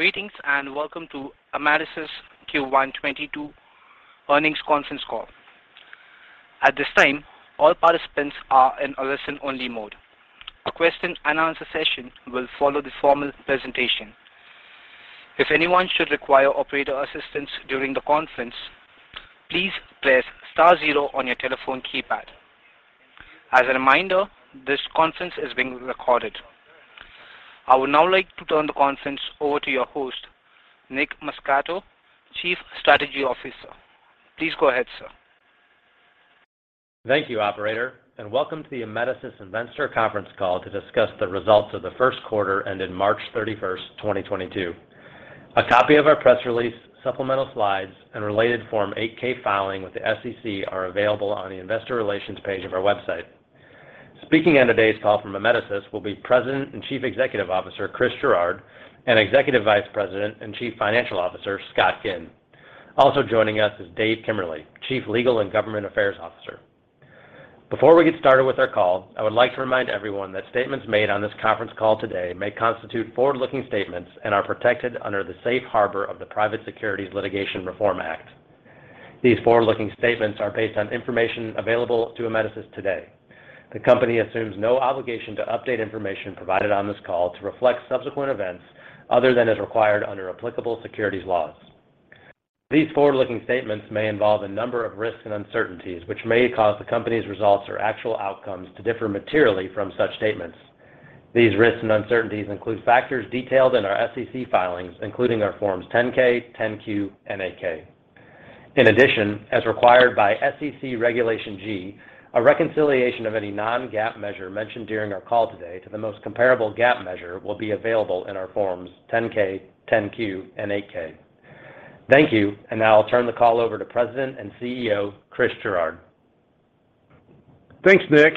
Greetings, and welcome to Amedisys Q1 2022 earnings conference call. At this time, all participants are in a listen only mode. A question and answer session will follow the formal presentation. If anyone should require operator assistance during the conference, please press star zero on your telephone keypad. As a reminder, this conference is being recorded. I would now like to turn the conference over to your host, Nicholas Muscato, Chief Strategy Officer. Please go ahead, sir. Thank you, operator, and welcome to the Amedisys investor conference call to discuss the results of the first quarter ended March 31, 2022. A copy of our press release, supplemental slides, and related Form 8-K filing with the SEC are available on the investor relations page of our website. Speaking on today's call from Amedisys will be President and Chief Executive Officer, Christopher Gerard, and Executive Vice President and Chief Financial Officer, Scott Ginn. Also joining us is Dave Kemmerly, Chief Legal and Government Affairs Officer. Before we get started with our call, I would like to remind everyone that statements made on this conference call today may constitute forward-looking statements and are protected under the safe harbor of the Private Securities Litigation Reform Act. These forward-looking statements are based on information available to Amedisys today. The company assumes no obligation to update information provided on this call to reflect subsequent events other than as required under applicable securities laws. These forward-looking statements may involve a number of risks and uncertainties which may cause the company's results or actual outcomes to differ materially from such statements. These risks and uncertainties include factors detailed in our SEC filings, including our Forms 10-K, 10-Q, and 8-K. In addition, as required by SEC Regulation G, a reconciliation of any non-GAAP measure mentioned during our call today to the most comparable GAAP measure will be available in our Forms 10-K, 10-Q, and 8-K. Thank you. Now I'll turn the call over to President and CEO, Chris Gerard. Thanks, Nick,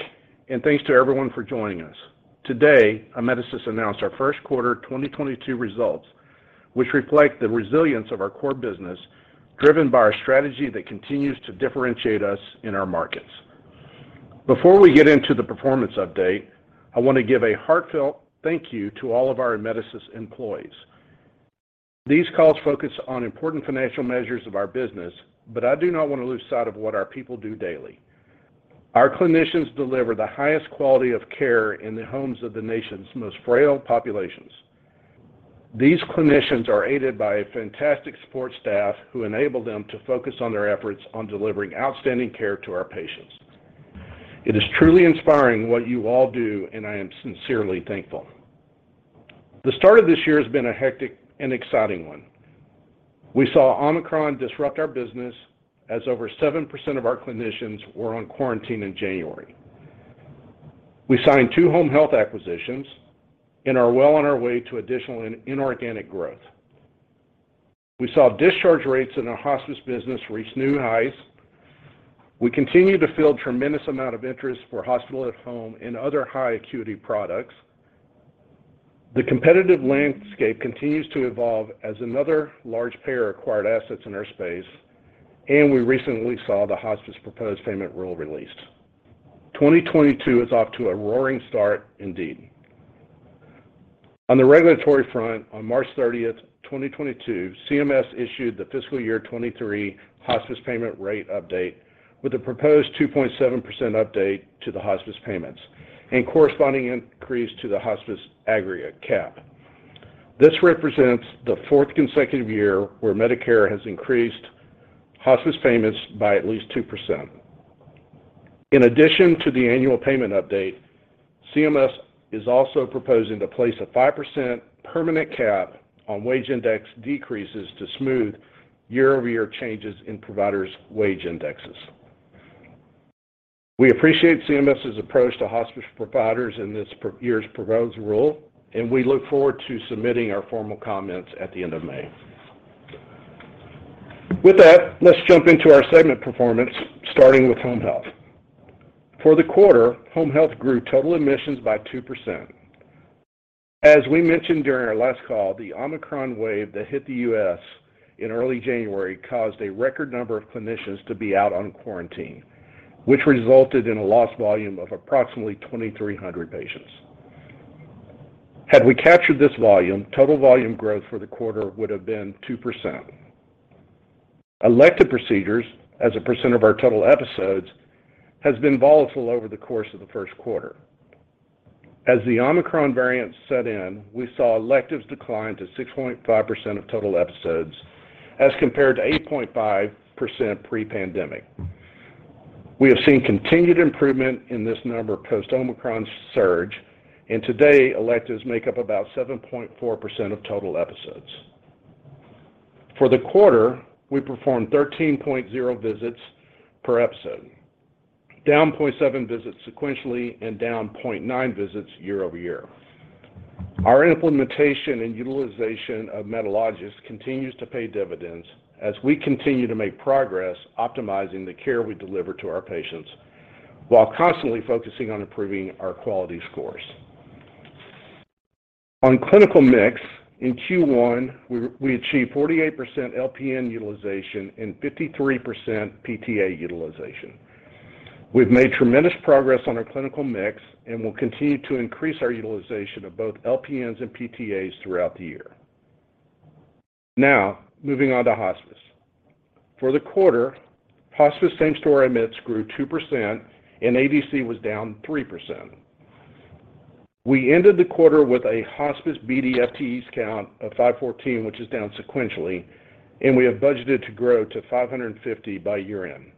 and thanks to everyone for joining us. Today, Amedisys announced our first quarter 2022 results, which reflect the resilience of our core business, driven by our strategy that continues to differentiate us in our markets. Before we get into the performance update, I want to give a heartfelt thank you to all of our Amedisys employees. These calls focus on important financial measures of our business, but I do not want to lose sight of what our people do daily. Our clinicians deliver the highest quality of care in the homes of the nation's most frail populations. These clinicians are aided by a fantastic support staff who enable them to focus on their efforts on delivering outstanding care to our patients. It is truly inspiring what you all do, and I am sincerely thankful. The start of this year has been a hectic and exciting one. We saw Omicron disrupt our business as over 7% of our clinicians were on quarantine in January. We signed 2 home health acquisitions and are well on our way to additional inorganic growth. We saw discharge rates in our hospice business reach new highs. We continue to feel tremendous amount of interest for hospital at home and other high acuity products. The competitive landscape continues to evolve as another large payer acquired assets in our space, and we recently saw the hospice proposed payment rule released. 2022 is off to a roaring start indeed. On the regulatory front, on March thirtieth, 2022, CMS issued the fiscal year 2023 hospice payment rate update with a proposed 2.7% update to the hospice payments and corresponding increase to the hospice aggregate cap. This represents the fourth consecutive year where Medicare has increased hospice payments by at least 2%. In addition to the annual payment update, CMS is also proposing to place a 5% permanent cap on wage index decreases to smooth year-over-year changes in providers' wage indexes. We appreciate CMS's approach to hospice providers in this year's proposed rule, and we look forward to submitting our formal comments at the end of May. With that, let's jump into our segment performance, starting with home health. For the quarter, home health grew total admissions by 2%. As we mentioned during our last call, the Omicron wave that hit the U.S. in early January caused a record number of clinicians to be out on quarantine, which resulted in a lost volume of approximately 2,300 patients. Had we captured this volume, total volume growth for the quarter would have been 2%. Elective procedures as a percent of our total episodes has been volatile over the course of the first quarter. As the Omicron variant set in, we saw electives decline to 6.5% of total episodes as compared to 8.5% pre-pandemic. We have seen continued improvement in this number post Omicron surge, and today, electives make up about 7.4% of total episodes. For the quarter, we performed 13.0 visits per episode, down 0.7 visits sequentially and down 0.9 visits year-over-year. Our implementation and utilization of Medalogix continues to pay dividends as we continue to make progress optimizing the care we deliver to our patients while constantly focusing on improving our quality scores. On clinical mix, in Q1, we achieved 48% LPN utilization and 53% PTA utilization. We've made tremendous progress on our clinical mix, and we'll continue to increase our utilization of both LPNs and PTAs throughout the year. Now, moving on to hospice. For the quarter, hospice same-store admits grew 2% and ADC was down 3%. We ended the quarter with a hospice BD FTEs count of 514, which is down sequentially, and we have budgeted to grow to 550 by year-end.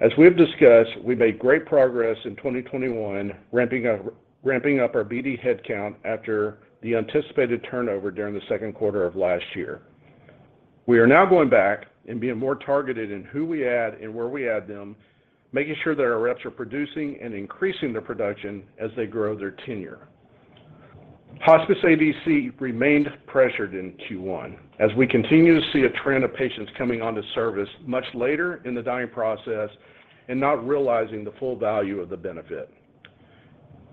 As we have discussed, we made great progress in 2021 ramping up our BD headcount after the anticipated turnover during the second quarter of last year. We are now going back and being more targeted in who we add and where we add them, making sure that our reps are producing and increasing their production as they grow their tenure. Hospice ADC remained pressured in Q1 as we continue to see a trend of patients coming onto service much later in the dying process and not realizing the full value of the benefit.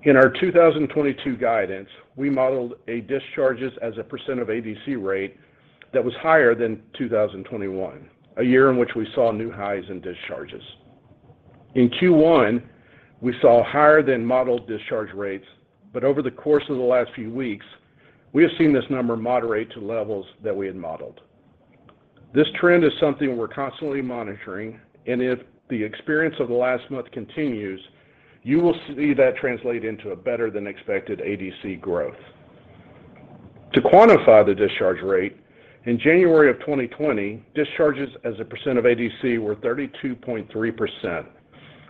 In our 2022 guidance, we modeled a discharges as a % of ADC rate that was higher than 2021, a year in which we saw new highs in discharges. In Q1, we saw higher than modeled discharge rates, but over the course of the last few weeks, we have seen this number moderate to levels that we had modeled. This trend is something we're constantly monitoring, and if the experience of the last month continues, you will see that translate into a better than expected ADC growth. To quantify the discharge rate, in January 2020, discharges as a percent of ADC were 32.3%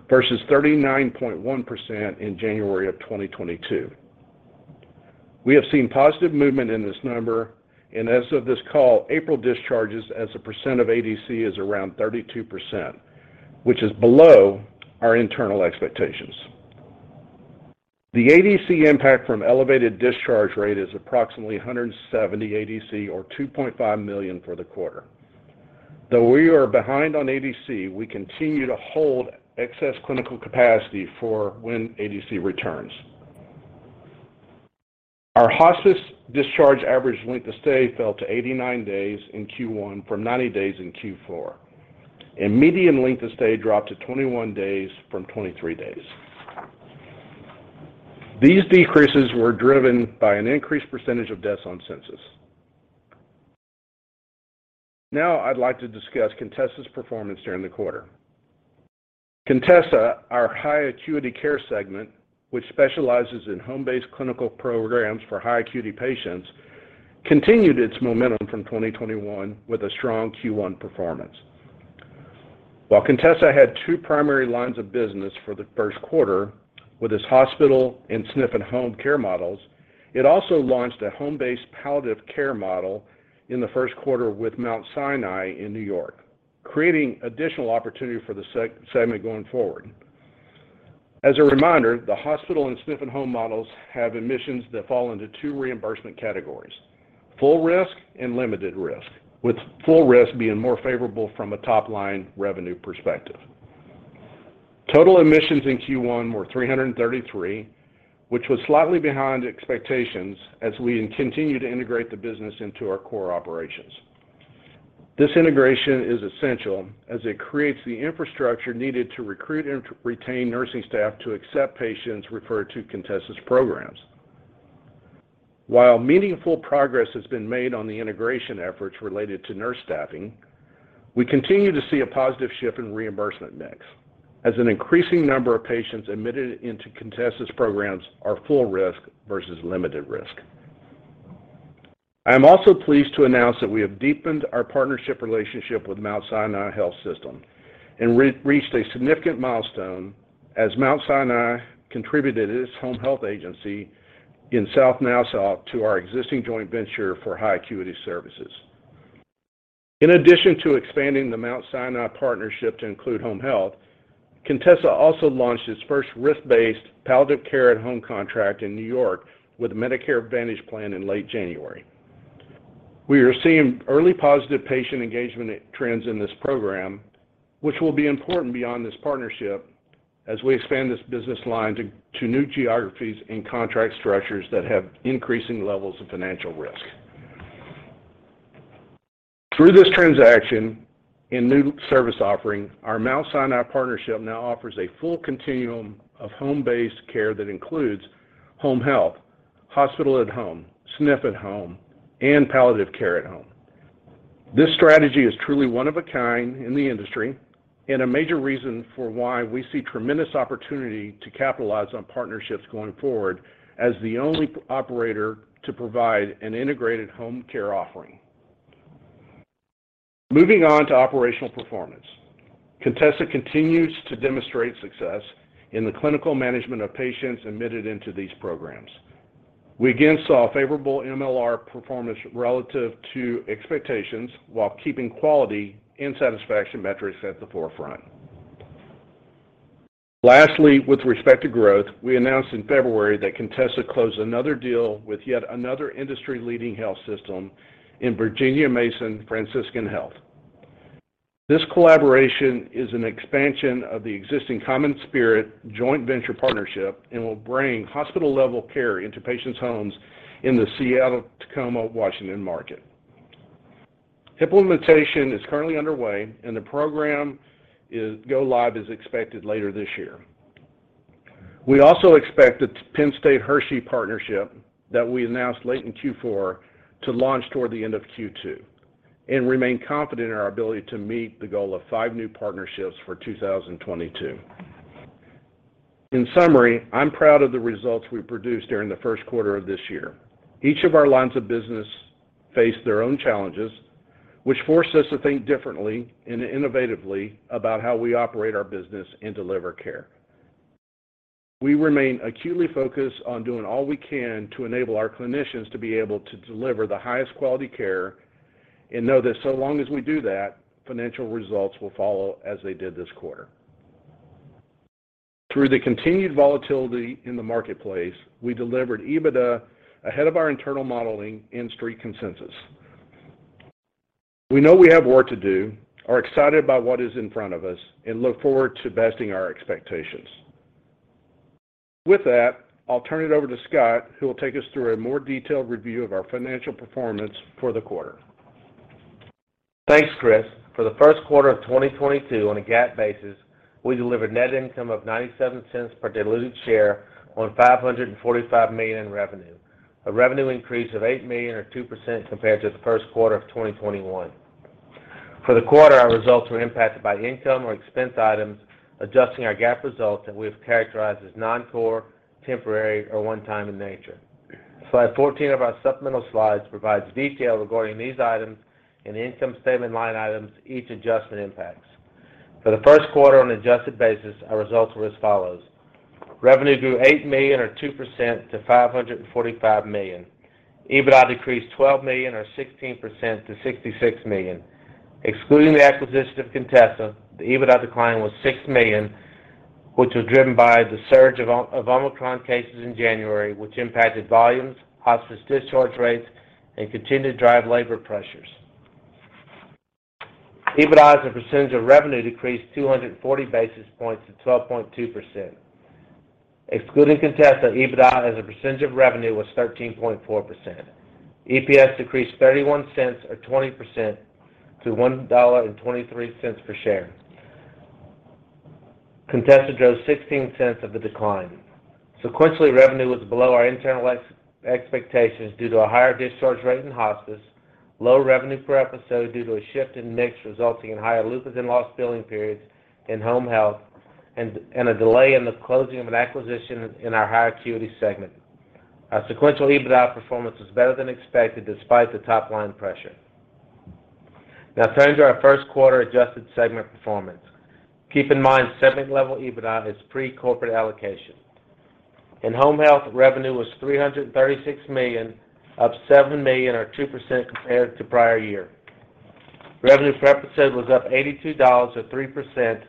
versus 39.1% in January 2022. We have seen positive movement in this number, and as of this call, April discharges as a percent of ADC is around 32%, which is below our internal expectations. The ADC impact from elevated discharge rate is approximately 170 ADC or $2.5 million for the quarter. Though we are behind on ADC, we continue to hold excess clinical capacity for when ADC returns. Our hospice discharge average length of stay fell to 89 days in Q1 from 90 days in Q4, and median length of stay dropped to 21 days from 23 days. These decreases were driven by an increased percentage of deaths on census. Now I'd like to discuss Contessa's performance during the quarter. Contessa, our high acuity care segment, which specializes in home-based clinical programs for high acuity patients, continued its momentum from 2021 with a strong Q1 performance. While Contessa had two primary lines of business for the first quarter with its hospital and SNF and home care models, it also launched a home-based palliative care model in the first quarter with Mount Sinai in New York, creating additional opportunity for the segment going forward. As a reminder, the hospital and SNF and home models have admissions that fall into two reimbursement categories, full risk and limited risk, with full risk being more favorable from a top-line revenue perspective. Total admissions in Q1 were 333, which was slightly behind expectations as we continue to integrate the business into our core operations. This integration is essential as it creates the infrastructure needed to recruit and retain nursing staff to accept patients referred to Contessa's programs. While meaningful progress has been made on the integration efforts related to nurse staffing, we continue to see a positive shift in reimbursement mix as an increasing number of patients admitted into Contessa's programs are full risk versus limited risk. I am also pleased to announce that we have deepened our partnership relationship with Mount Sinai Health System and reached a significant milestone as Mount Sinai contributed its home health agency in South Nassau to our existing joint venture for high acuity services. In addition to expanding the Mount Sinai partnership to include home health, Contessa also launched its first risk-based palliative care at home contract in New York with Medicare Advantage plan in late January. We are seeing early positive patient engagement trends in this program, which will be important beyond this partnership as we expand this business line to new geographies and contract structures that have increasing levels of financial risk. Through this transaction and new service offering, our Mount Sinai partnership now offers a full continuum of home-based care that includes home health, hospital at home, SNF at home, and palliative care at home. This strategy is truly one of a kind in the industry and a major reason for why we see tremendous opportunity to capitalize on partnerships going forward as the only operator to provide an integrated home care offering. Moving on to operational performance. Contessa continues to demonstrate success in the clinical management of patients admitted into these programs. We again saw favorable MLR performance relative to expectations while keeping quality and satisfaction metrics at the forefront. Lastly, with respect to growth, we announced in February that Contessa closed another deal with yet another industry-leading health system, Virginia Mason Franciscan Health. This collaboration is an expansion of the existing CommonSpirit Health joint venture partnership and will bring hospital-level care into patients' homes in the Seattle-Tacoma, Washington market. Implementation is currently underway and the program's go-live is expected later this year. We also expect the Penn State Health partnership that we announced late in Q4 to launch toward the end of Q2 and remain confident in our ability to meet the goal of five new partnerships for 2022. In summary, I'm proud of the results we produced during the first quarter of this year. Each of our lines of business face their own challenges, which force us to think differently and innovatively about how we operate our business and deliver care. We remain acutely focused on doing all we can to enable our clinicians to be able to deliver the highest quality care and know that so long as we do that, financial results will follow as they did this quarter. Through the continued volatility in the marketplace, we delivered EBITDA ahead of our internal modeling and Street consensus. We know we have work to do, are excited by what is in front of us, and look forward to besting our expectations. With that, I'll turn it over to Scott, who will take us through a more detailed review of our financial performance for the quarter. Thanks, Chris. For the first quarter of 2022 on a GAAP basis, we delivered net income of $0.97 per diluted share on $545 million in revenue, a revenue increase of $8 million or 2% compared to the first quarter of 2021. For the quarter, our results were impacted by income or expense items, adjusting our GAAP results that we have characterized as non-core, temporary, or one time in nature. Slide 14 of our supplemental slides provides detail regarding these items and the income statement line items each adjustment impacts. For the first quarter on an adjusted basis, our results were as follows. Revenue grew $8 million or 2% to $545 million. EBITDA decreased $12 million or 16% to $66 million. Excluding the acquisition of Contessa, the EBITDA decline was $6 million, which was driven by the surge of Omicron cases in January, which impacted volumes, hospice discharge rates, and continued to drive labor pressures. EBITDA as a percentage of revenue decreased 240 basis points to 12.2%. Excluding Contessa, EBITDA as a percentage of revenue was 13.4%. EPS decreased $0.31 or 20% to $1.23 per share. Contessa drove $0.16 of the decline. Sequentially, revenue was below our internal expectations due to a higher discharge rate in hospice, low revenue per episode due to a shift in mix resulting in higher LUPAs in last billing periods in home health, and a delay in the closing of an acquisition in our higher acuity segment. Our sequential EBITDA performance was better than expected despite the top line pressure. Now turning to our first quarter adjusted segment performance. Keep in mind, segment level EBITDA is pre-corporate allocation. In home health, revenue was $336 million, up $7 million or 2% compared to prior year. Revenue per episode was up $82 or 3%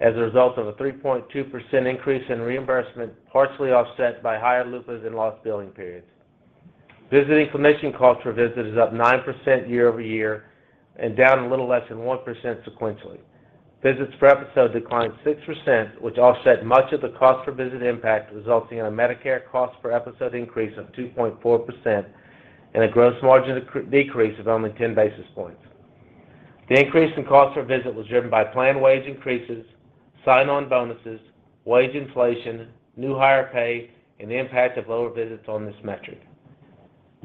as a result of a 3.2% increase in reimbursement, partially offset by higher LUPAs in last billing periods. Visiting clinician cost per visit is up 9% year-over-year and down a little less than 1% sequentially. Visits per episode declined 6%, which offset much of the cost per visit impact, resulting in a Medicare cost per episode increase of 2.4% and a gross margin decrease of only 10 basis points. The increase in cost per visit was driven by planned wage increases, sign-on bonuses, wage inflation, new hire pay, and the impact of lower visits on this metric.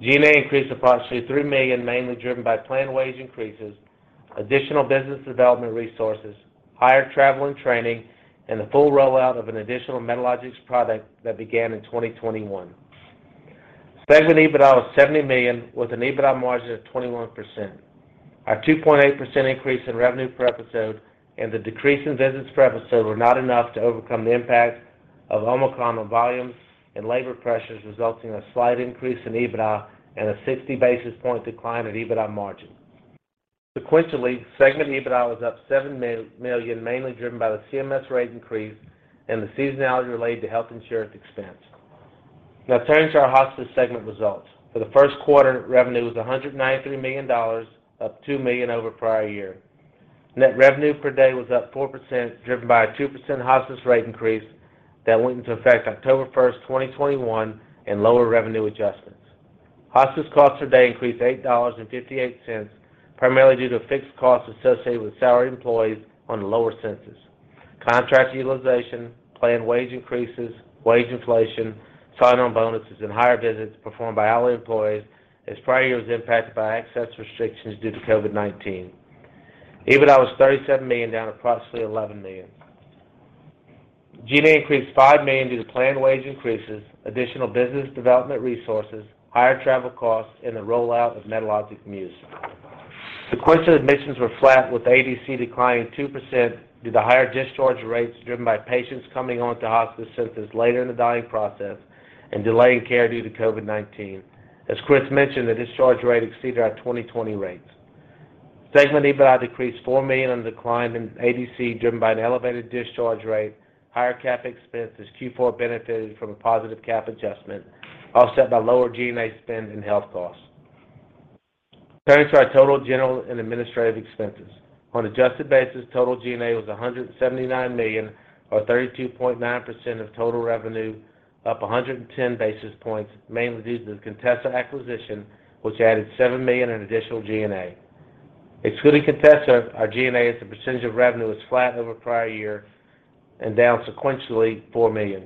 GNA increased approximately $3 million, mainly driven by planned wage increases, additional business development resources, higher travel and training, and the full rollout of an additional Medalogix product that began in 2021. Segment EBITDA was $70 million, with an EBITDA margin of 21%. Our 2.8% increase in revenue per episode and the decrease in visits per episode were not enough to overcome the impact of Omicron on volumes and labor pressures, resulting in a slight increase in EBITDA and a 60 basis point decline in EBITDA margin. Sequentially, segment EBITDA was up $7 million, mainly driven by the CMS rate increase and the seasonality related to health insurance expense. Now turning to our hospice segment results. For the first quarter, revenue was $193 million, up $2 million over prior year. Net revenue per day was up 4%, driven by a 2% hospice rate increase that went into effect October 1, 2021, and lower revenue adjustments. Hospice costs per day increased $8.58, primarily due to fixed costs associated with salaried employees on lower census. Contract utilization, planned wage increases, wage inflation, sign-on bonuses, and higher visits performed by hourly employees as prior year was impacted by access restrictions due to COVID-19. EBITDA was $37 million, down approximately $11 million. GNA increased $5 million due to planned wage increases, additional business development resources, higher travel costs, and the rollout of Medalogix Muse. Sequential admissions were flat, with ADC declining 2% due to higher discharge rates driven by patients coming onto hospice census later in the dying process and delay in care due to COVID-19. As Chris mentioned, the discharge rate exceeded our 2020 rates. Segment EBITDA decreased $4 million on the decline in ADC, driven by an elevated discharge rate, higher CAP expenses. Q4 benefited from a positive CAP adjustment, offset by lower GNA spend and health costs. Turning to our total general and administrative expenses. On adjusted basis, total GNA was $179 million, or 32.9% of total revenue. Up 110 basis points, mainly due to the Contessa acquisition, which added $7 million in additional GNA. Excluding Contessa, our GNA as a percentage of revenue is flat over prior year and down sequentially $4 million.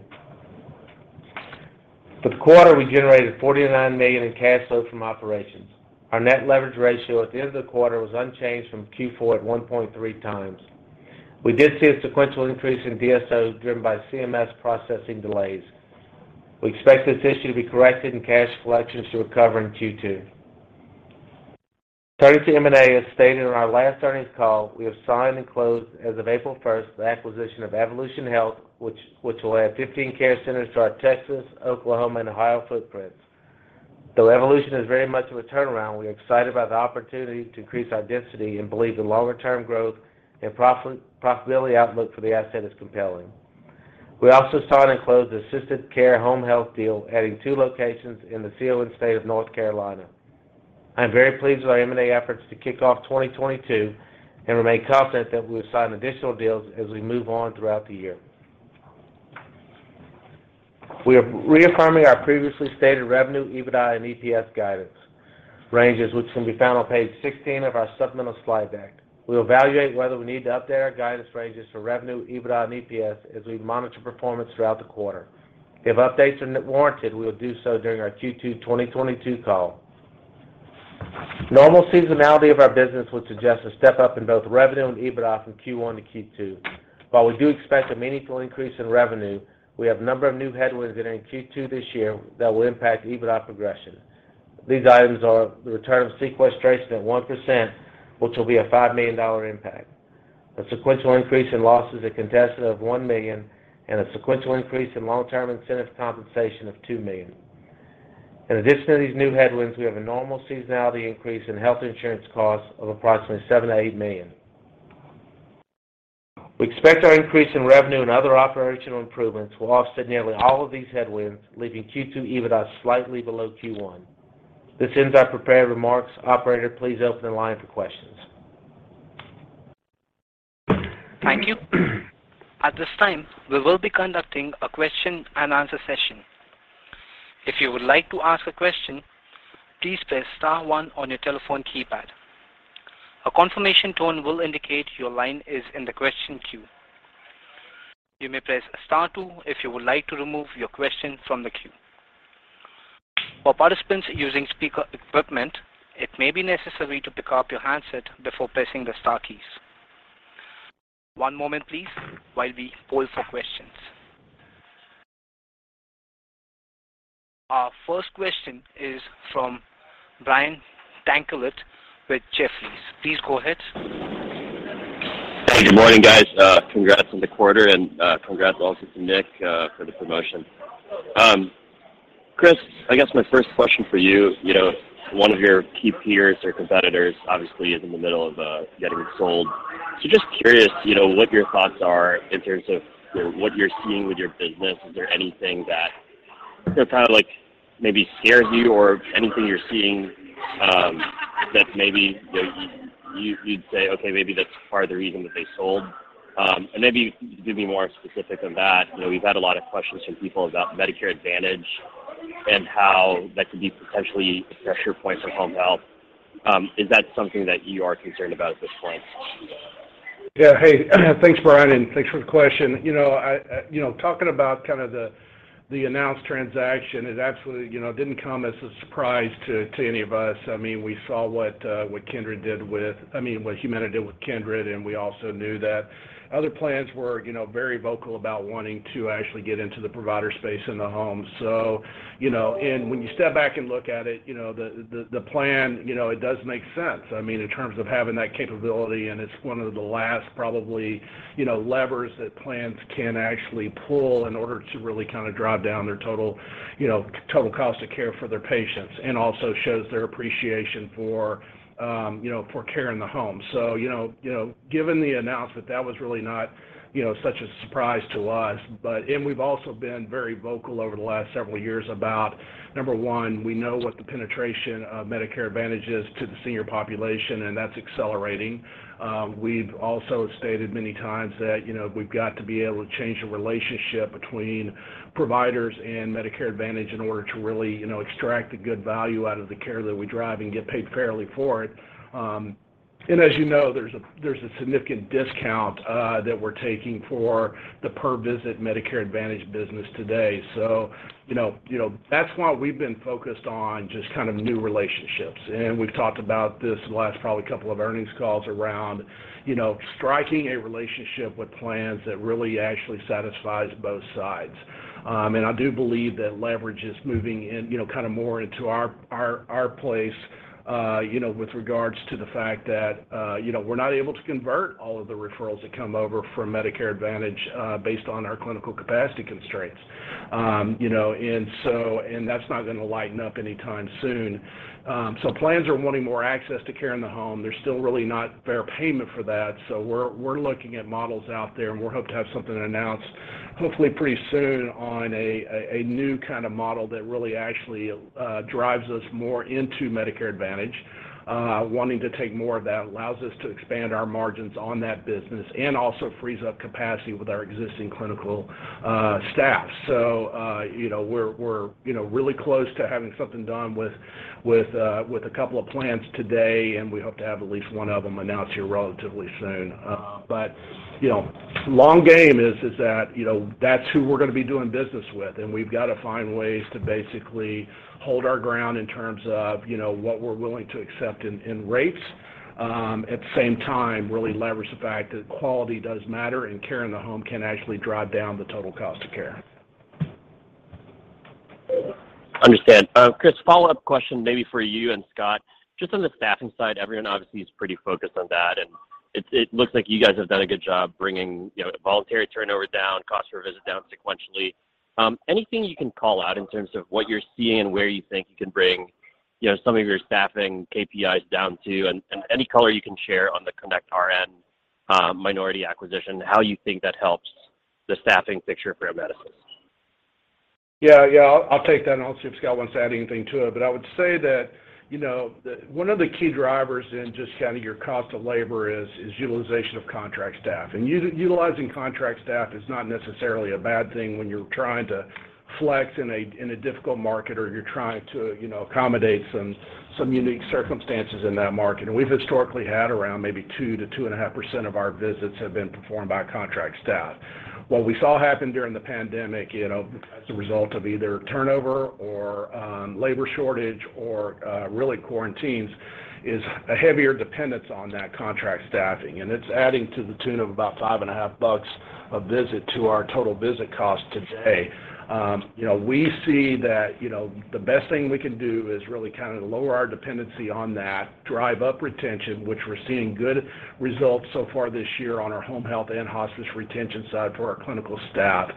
For the quarter, we generated $49 million in cash flow from operations. Our net leverage ratio at the end of the quarter was unchanged from Q4 at 1.3 times. We did see a sequential increase in DSO, driven by CMS processing delays. We expect this issue to be corrected and cash collections to recover in Q2. Turning to M&A, as stated on our last earnings call, we have signed and closed as of April 1, the acquisition of Evolution Health, which will add 15 care centers to our Texas, Oklahoma, and Ohio footprints. Though Evolution Health is very much of a turnaround, we are excited about the opportunity to increase our density and believe the longer term growth and profitability outlook for the asset is compelling. We also signed and closed the AssistedCare Home Health deal, adding two locations in the sealing state of North Carolina. I am very pleased with our M&A efforts to kick off 2022, and remain confident that we will sign additional deals as we move on throughout the year. We are reaffirming our previously stated revenue, EBITDA and EPS guidance ranges, which can be found on page 16 of our supplemental slide deck. We'll evaluate whether we need to update our guidance ranges for revenue, EBITDA, and EPS as we monitor performance throughout the quarter. If updates are warranted, we will do so during our Q2 2022 call. Normal seasonality of our business would suggest a step-up in both revenue and EBITDA from Q1 to Q2. While we do expect a meaningful increase in revenue, we have a number of new headwinds entering Q2 this year that will impact EBITDA progression. These items are the return of sequestration at 1%, which will be a $5 million impact, a sequential increase in losses at Contessa of $1 million, and a sequential increase in long-term incentive compensation of $2 million. In addition to these new headwinds, we have a normal seasonality increase in health insurance costs of approximately $7 million-$8 million. We expect our increase in revenue and other operational improvements will offset nearly all of these headwinds, leaving Q2 EBITDA slightly below Q1. This ends our prepared remarks. Operator, please open the line for questions. Thank you. At this time, we will be conducting a question and answer session. If you would like to ask a question, please press star one on your telephone keypad. A confirmation tone will indicate your line is in the question queue. You may press star two if you would like to remove your question from the queue. For participants using speaker equipment, it may be necessary to pick up your handset before pressing the star keys. One moment, please, while we poll for questions. Our first question is from Brian Tanquilut with Jefferies. Please go ahead. Hey, good morning, guys. Congrats on the quarter and congrats also to Nick for the promotion. Chris, I guess my first question for you know, one of your key peers or competitors obviously is in the middle of getting sold. Just curious, you know, what your thoughts are in terms of what you're seeing with your business. Is there anything that, you know, kind of like maybe scares you or anything you're seeing that maybe, you know, you'd say, okay, maybe that's part of the reason that they sold? Maybe you can give me more specific on that. You know, we've had a lot of questions from people about Medicare Advantage and how that could be potentially a pressure point for home health. Is that something that you are concerned about at this point? Yeah. Hey, thanks, Brian, and thanks for the question. You know, I you know, talking about kind of the announced transaction, it absolutely, you know, didn't come as a surprise to any of us. I mean, we saw what Humana did with Kindred, and we also knew that other plans were, you know, very vocal about wanting to actually get into the provider space in the home. You know, when you step back and look at it, you know, the plan, you know, it does make sense, I mean, in terms of having that capability, and it's one of the last probably, you know, levers that plans can actually pull in order to really kind of drive down their total cost of care for their patients and also shows their appreciation for, you know, for care in the home. You know, given the announcement, that was really not, you know, such a surprise to us. We've also been very vocal over the last several years about, number one, we know what the penetration of Medicare Advantage is to the senior population, and that's accelerating. We've also stated many times that, you know, we've got to be able to change the relationship between providers and Medicare Advantage in order to really, you know, extract the good value out of the care that we drive and get paid fairly for it. As you know, there's a significant discount that we're taking for the per visit Medicare Advantage business today. You know, that's why we've been focused on just kind of new relationships. We've talked about this the last probably couple of earnings calls around, you know, striking a relationship with plans that really actually satisfies both sides. I do believe that leverage is moving in, you know, kind of more into our place, with regards to the fact that, you know, we're not able to convert all of the referrals that come over from Medicare Advantage, based on our clinical capacity constraints. That's not gonna lighten up anytime soon. Plans are wanting more access to care in the home. There's still really not fair payment for that. We're looking at models out there, and we hope to have something to announce hopefully pretty soon on a new kind of model that really actually drives us more into Medicare Advantage, wanting to take more of that, allows us to expand our margins on that business and also frees up capacity with our existing clinical staff. You know, we're really close to having something done with a couple of plans today, and we hope to have at least one of them announced here relatively soon. You know, long game is that, you know, that's who we're gonna be doing business with, and we've got to find ways to basically hold our ground in terms of, you know, what we're willing to accept in rates, at the same time, really leverage the fact that quality does matter, and care in the home can actually drive down the total cost of care. Understood. Chris, follow-up question maybe for you and Scott, just on the staffing side, everyone obviously is pretty focused on that, and it looks like you guys have done a good job bringing, you know, voluntary turnover down, cost per visit down sequentially. Anything you can call out in terms of what you're seeing and where you think you can bring, you know, some of your staffing KPIs down to? Any color you can share on the connectRN minority acquisition, how you think that helps the staffing picture for Amedisys? Yeah, yeah. I'll take that, and I'll see if Scott wants to add anything to it. But I would say that, you know, the one of the key drivers in just kind of your cost of labor is utilization of contract staff. And utilizing contract staff is not necessarily a bad thing when you're trying to flex in a difficult market or you're trying to, you know, accommodate some unique circumstances in that market. And we've historically had around maybe 2%-2.5% of our visits have been performed by contract staff. What we saw happen during the pandemic, you know, as a result of either turnover or labor shortage or really quarantines, is a heavier dependence on that contract staffing. It's adding to the tune of about $5.5 a visit to our total visit cost today. You know, we see that, you know, the best thing we can do is really kind of lower our dependency on that, drive up retention, which we're seeing good results so far this year on our home health and hospice retention side for our clinical staff.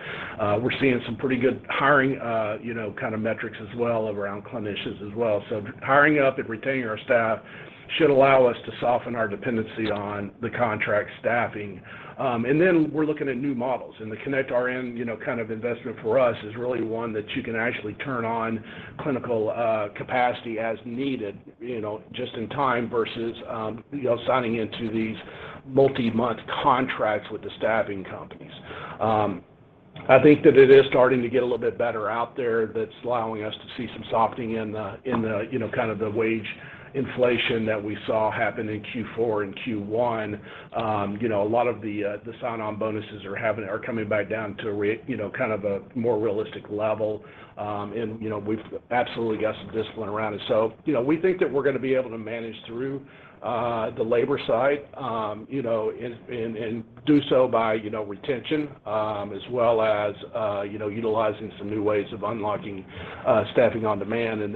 We're seeing some pretty good hiring, you know, kind of metrics as well around clinicians as well. Hiring up and retaining our staff should allow us to soften our dependency on the contract staffing. We're looking at new models. The connectRN, you know, kind of investment for us is really one that you can actually turn on clinical capacity as needed, you know, just in time versus, you know, signing into these multi-month contracts with the staffing companies. I think that it is starting to get a little bit better out there that's allowing us to see some softening in the, you know, kind of the wage inflation that we saw happen in Q4 and Q1. You know, a lot of the sign-on bonuses are coming back down to, you know, kind of a more realistic level. You know, we've absolutely got some discipline around it. You know, we think that we're gonna be able to manage through the labor side, you know, and do so by, you know, retention, as well as, you know, utilizing some new ways of unlocking staffing on demand.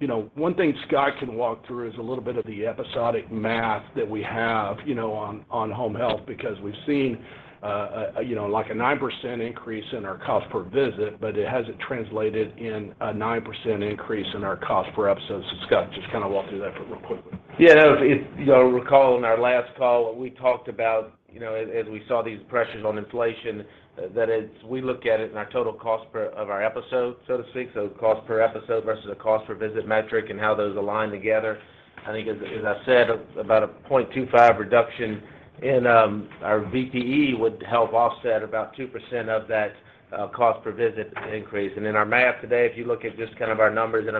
You know, one thing Scott can walk through is a little bit of the episodic math that we have, you know, on home health, because we've seen, you know, like a 9% increase in our cost per visit, but it hasn't translated in a 9% increase in our cost per episode. Scott, just kind of walk through that real quickly. Yeah, no. If you recall in our last call what we talked about, you know, as we saw these pressures on inflation, that we look at it in our total cost per episode, so to speak, cost per episode versus a cost per visit metric and how those align together. I think as I said, about a 0.25 reduction in our VPE would help offset about 2% of that cost per visit increase. In our math today, if you look at just kind of our numbers, and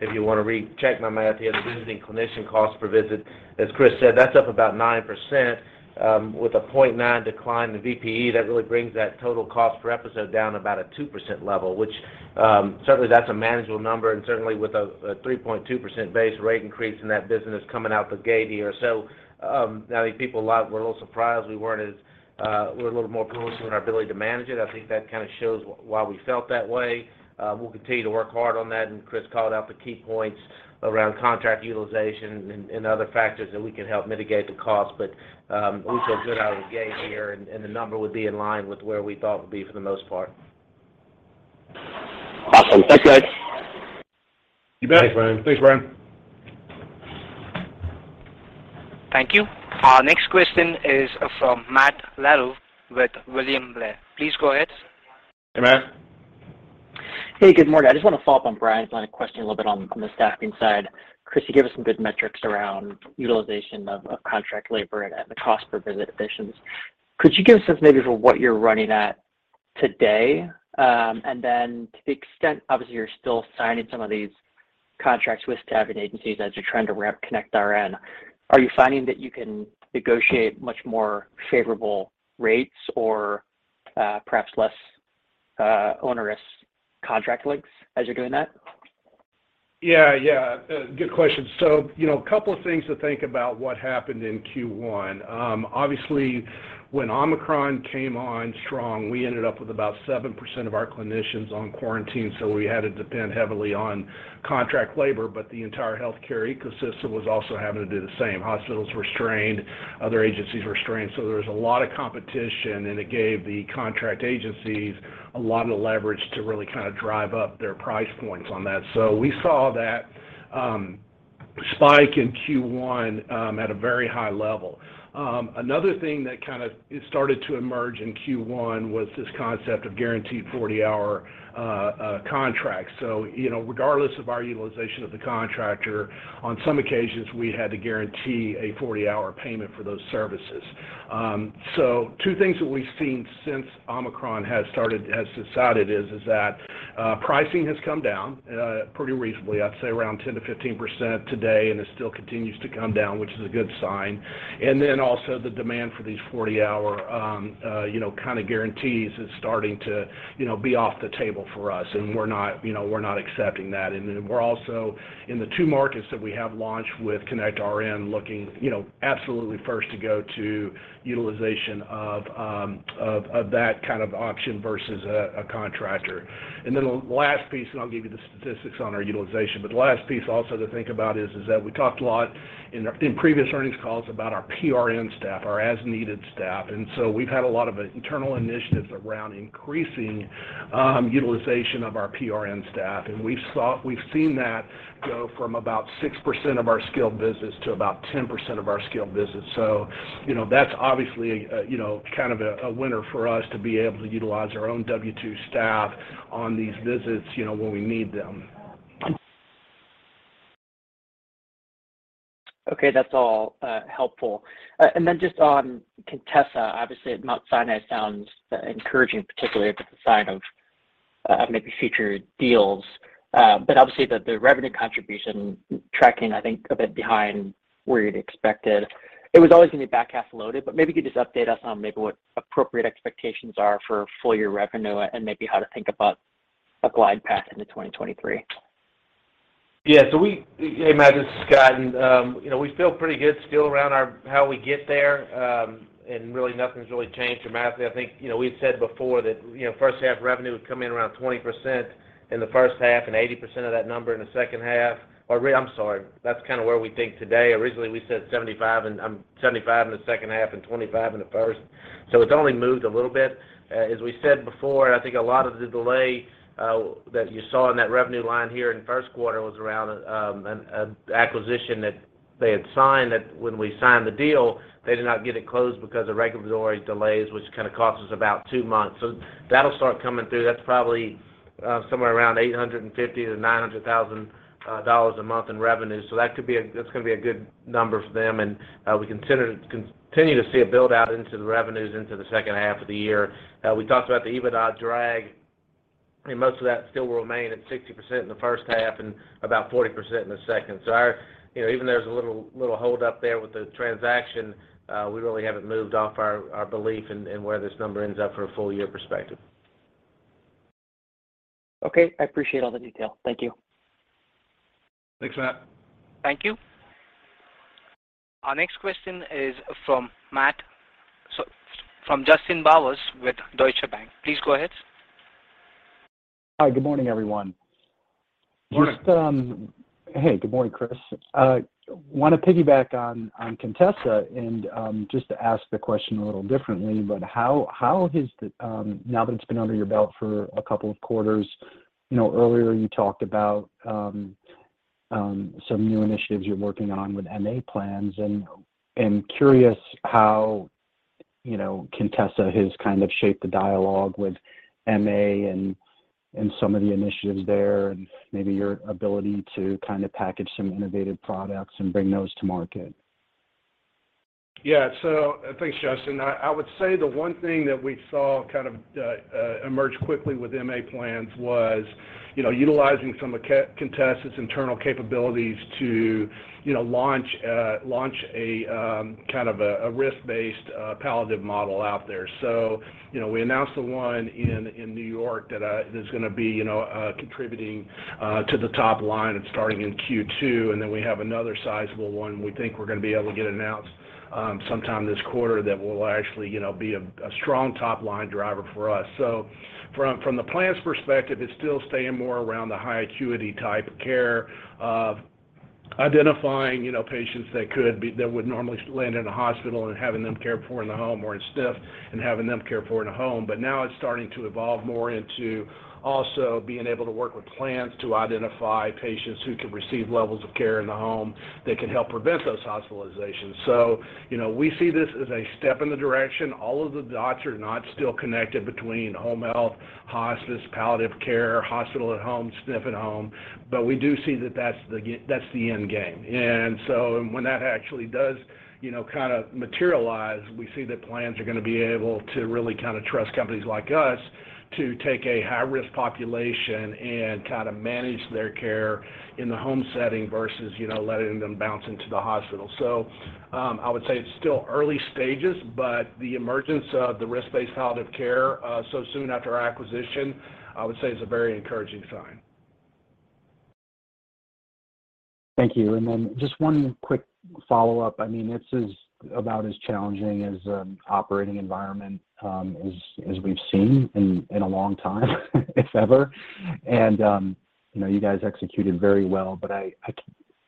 if you want to recheck my math here, the visiting clinician cost per visit, as Chris said, that's up about 9% with a 0.9 decline in the VPE. That really brings that total cost per episode down about a 2% level, which certainly that's a manageable number, and certainly with a 3.2% base rate increase in that business coming out the gate here. I think a lot of people were a little surprised. We're a little more bullish on our ability to manage it. I think that kinda shows why we felt that way. We'll continue to work hard on that, and Chris called out the key points around contract utilization and other factors that we can help mitigate the cost. We feel good out of the gate here, and the number would be in line with where we thought it would be for the most part. Awesome. Thanks, guys. You bet. Thanks, Brian. Thanks, Brian. Thank you. Our next question is from Matt Larew with William Blair. Please go ahead. Hey, Matt. Hey, good morning. I just wanna follow up on Brian's line of questioning a little bit on the staffing side. Chris, you gave us some good metrics around utilization of contract labor and the cost per visit admissions. Could you give us a sense maybe for what you're running at today? To the extent, obviously, you're still signing some of these contracts with staffing agencies as you're trying to ramp connectRN, are you finding that you can negotiate much more favorable rates or perhaps less onerous contract lengths as you're doing that? Yeah, yeah. Good question. You know, a couple of things to think about what happened in Q1. Obviously, when Omicron came on strong, we ended up with about 7% of our clinicians on quarantine, so we had to depend heavily on contract labor, but the entire healthcare ecosystem was also having to do the same. Hospitals were strained, other agencies were strained. There was a lot of competition, and it gave the contract agencies a lot of leverage to really kinda drive up their price points on that. We saw that spike in Q1 at a very high level. Another thing that kinda started to emerge in Q1 was this concept of guaranteed 40-hour contracts. You know, regardless of our utilization of the contractor, on some occasions, we had to guarantee a 40-hour payment for those services. Two things that we've seen since Omicron has subsided is that pricing has come down pretty reasonably. I'd say around 10%-15% today, and it still continues to come down, which is a good sign. Also the demand for these 40-hour, you know, kinda guarantees is starting to, you know, be off the table for us, and we're not, you know, we're not accepting that. We're also in the two markets that we have launched with connectRN looking, you know, absolutely first to go to utilization of that kind of option versus a contractor. The last piece, and I'll give you the statistics on our utilization, but the last piece also to think about is that we talked a lot in previous earnings calls about our PRN staff, our as-needed staff. We've had a lot of internal initiatives around increasing utilization of our PRN staff. We've seen that go from about 6% of our skilled visits to about 10% of our skilled visits. You know, that's obviously a you know, kind of a winner for us to be able to utilize our own W-2 staff on these visits, you know, when we need them. Okay, that's all helpful. Just on Contessa, obviously at Mount Sinai sounds encouraging, particularly with the sign of maybe future deals. Obviously the revenue contribution tracking, I think a bit behind where you'd expected. It was always gonna be back half loaded, but maybe you could just update us on maybe what appropriate expectations are for full year revenue and maybe how to think about a glide path into 2023. Hey, Matt, this is Scott. You know, we feel pretty good still around how we get there. Really nothing's really changed dramatically. I think, you know, we had said before that, you know, first half revenue would come in around 20% in the first half and 80% of that number in the second half. I'm sorry, that's kinda where we think today. Originally, we said 75% in the second half and 25% in the first. It's only moved a little bit. As we said before, I think a lot of the delay that you saw in that revenue line here in the first quarter was around an acquisition that they had signed that when we signed the deal, they did not get it closed because of regulatory delays, which kinda cost us about two months. That'll start coming through. That's probably somewhere around $850,000-$900,000 a month in revenue. That could be a good number for them, and we continue to see it build out into the revenues into the second half of the year. We talked about the EBITDA drag, and most of that still will remain at 60% in the first half and about 40% in the second. Our, you know, even there's a little hold up there with the transaction, we really haven't moved off our belief in where this number ends up for a full year perspective. Okay. I appreciate all the detail. Thank you. Thanks, Matt. Thank you. Our next question is from Justin Bowers with Deutsche Bank. Please go ahead. Hi. Good morning, everyone. Good morning. Hey, good morning, Chris. Wanna piggyback on Contessa and just to ask the question a little differently, but how has the now that it's been under your belt for a couple of quarters, you know, earlier you talked about some new initiatives you're working on with MA Plans. Curious how, you know, Contessa has kind of shaped the dialogue with MA and some of the initiatives there, and maybe your ability to kinda package some innovative products and bring those to market. Yeah. Thanks, Justin. I would say the one thing that we saw kind of emerge quickly with MA Plans was, you know, utilizing some of Contessa's internal capabilities to, you know, launch a kind of a risk-based palliative model out there. You know, we announced the one in New York that is gonna be, you know, contributing to the top line and starting in Q2, and then we have another sizable one we think we're gonna be able to get announced sometime this quarter that will actually, you know, be a strong top-line driver for us. From the plan's perspective, it's still staying more around the high acuity type care of identifying, you know, patients that would normally land in a hospital and having them cared for in the home or in SNF, and having them cared for in a home. Now it's starting to evolve more into also being able to work with plans to identify patients who can receive levels of care in the home that can help prevent those hospitalizations. You know, we see this as a step in the direction. All of the dots are not still connected between home health, hospice, palliative care, hospital at home, SNF at home, but we do see that that's the end game. When that actually does, you know, kinda materialize, we see that plans are gonna be able to really kinda trust companies like us to take a high-risk population and kinda manage their care in the home setting versus, you know, letting them bounce into the hospital. I would say it's still early stages, but the emergence of the risk-based palliative care so soon after our acquisition, I would say is a very encouraging sign. Thank you. Then just one quick follow-up. I mean, this is about as challenging an operating environment as we've seen in a long time, if ever. You know, you guys executed very well, but I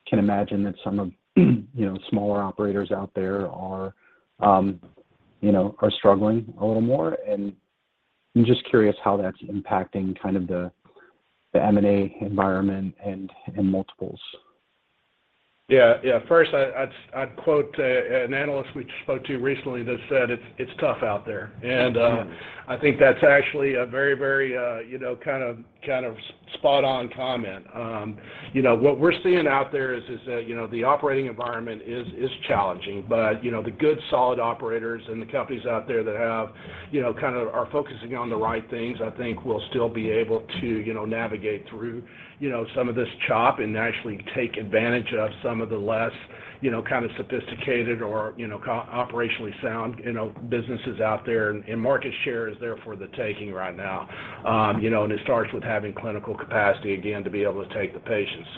can imagine that some of you know, smaller operators out there are struggling a little more. I'm just curious how that's impacting kind of the M&A environment and multiples. Yeah. Yeah. First, I'd quote an analyst we spoke to recently that said it's tough out there. I think that's actually a very spot on comment. You know, what we're seeing out there is that the operating environment is challenging, but the good solid operators and the companies out there that have kind of are focusing on the right things, I think will still be able to navigate through some of this chop and actually take advantage of some of the less sophisticated or operationally sound businesses out there. Market share is there for the taking right now. You know, it starts with having clinical capacity again to be able to take the patients.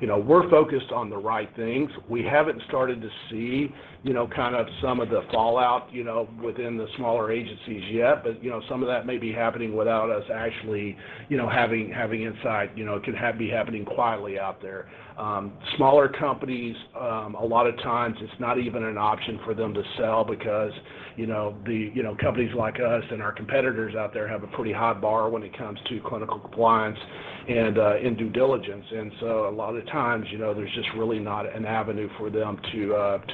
You know, we're focused on the right things. We haven't started to see, you know, kind of some of the fallout, you know, within the smaller agencies yet. You know, some of that may be happening without us actually, you know, having insight. You know, it could be happening quietly out there. Smaller companies, a lot of times it's not even an option for them to sell because, you know, the, you know, companies like us and our competitors out there have a pretty high bar when it comes to clinical compliance and due diligence. A lot of the times, you know, there's just really not an avenue for them to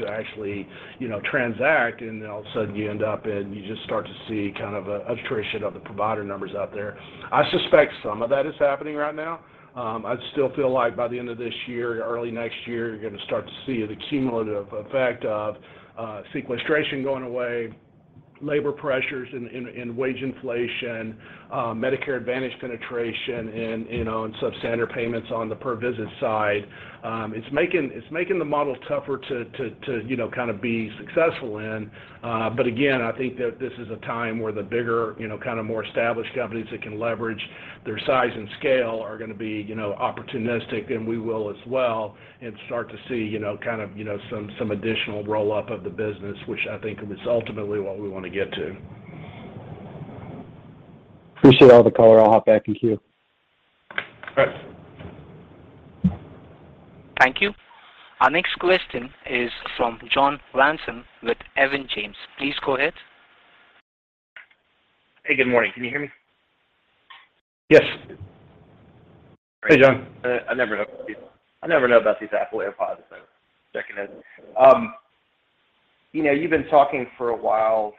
actually, you know, transact, and all of a sudden you end up, and you just start to see kind of an attrition of the provider numbers out there. I suspect some of that is happening right now. I still feel like by the end of this year, early next year, you're gonna start to see the cumulative effect of sequestration going away, labor pressures and wage inflation, Medicare Advantage penetration and substandard payments on the per visit side. It's making the model tougher to be successful in. Again, I think that this is a time where the bigger, you know, kind of more established companies that can leverage their size and scale are gonna be, you know, opportunistic, and we will as well and start to see, you know, kind of, you know, some additional roll-up of the business, which I think is ultimately what we want to get to. Appreciate all the color. I'll hop back in queue. All right. Thank you. Our next question is from John Ransom with Raymond James. Please go ahead. Hey, good morning. Can you hear me? Yes. Hey, John. I never know about these Apple AirPods, so checking in. You know, you've been talking for a while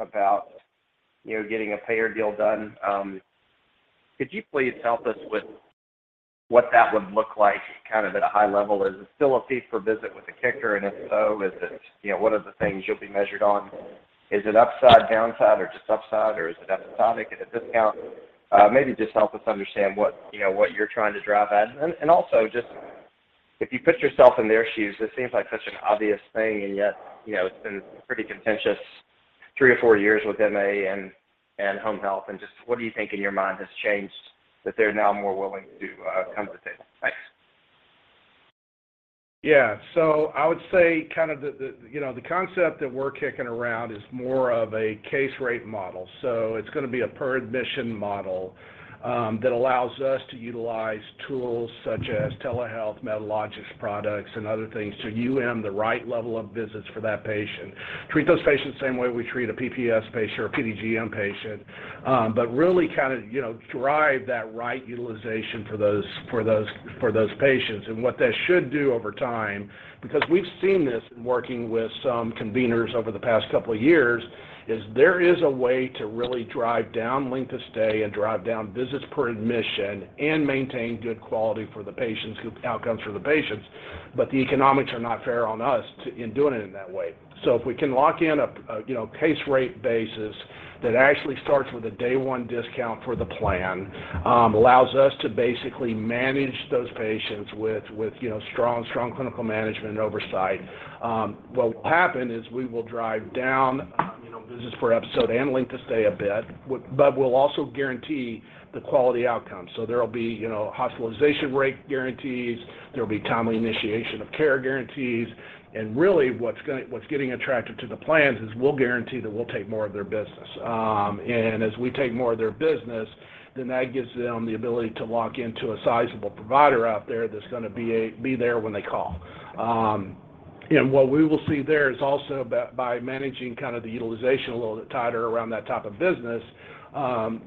about, you know, getting a payer deal done. Could you please help us with what that would look like kind of at a high level? Is it still a fee for visit with a kicker? And if so, is it, you know, what are the things you'll be measured on? Is it upside, downside or just upside or is it episodic at a discount? Maybe just help us understand what, you know, what you're trying to drive at. Also just if you put yourself in their shoes, this seems like such an obvious thing, and yet, you know, it's been pretty contentious three or four years with MA and home health and just what do you think in your mind has changed that they're now more willing to come to the table? Thanks. Yeah. I would say kind of the you know, the concept that we're kicking around is more of a case rate model. It's gonna be a per admission model that allows us to utilize tools such as telehealth, Medalogix products and other things to the right level of visits for that patient, treat those patients the same way we treat a PPS patient or a PDGM patient, but really kind of you know, drive that right utilization for those patients. What that should do over time, because we've seen this in working with some conveners over the past couple of years, is there is a way to really drive down length of stay and drive down visits per admission and maintain good quality outcomes for the patients, but the economics are not fair on us in doing it in that way. If we can lock in a, you know, case rate basis that actually starts with a day one discount for the plan, allows us to basically manage those patients with, you know, strong clinical management and oversight, what will happen is we will drive down, you know, visits per episode and length of stay a bit, but we'll also guarantee the quality outcome. There'll be, you know, hospitalization rate guarantees, there'll be timely initiation of care guarantees, and really what's getting attractive to the plans is we'll guarantee that we'll take more of their business. As we take more of their business, then that gives them the ability to lock into a sizable provider out there that's gonna be there when they call. What we will see there is also by managing kind of the utilization a little bit tighter around that type of business,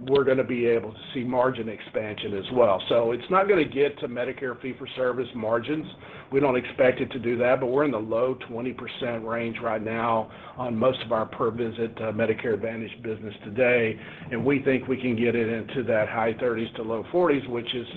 we're gonna be able to see margin expansion as well. It's not gonna get to Medicare fee for service margins. We don't expect it to do that, but we're in the low 20% range right now on most of our per visit Medicare Advantage business today, and we think we can get it into that high 30s to low 40s, which is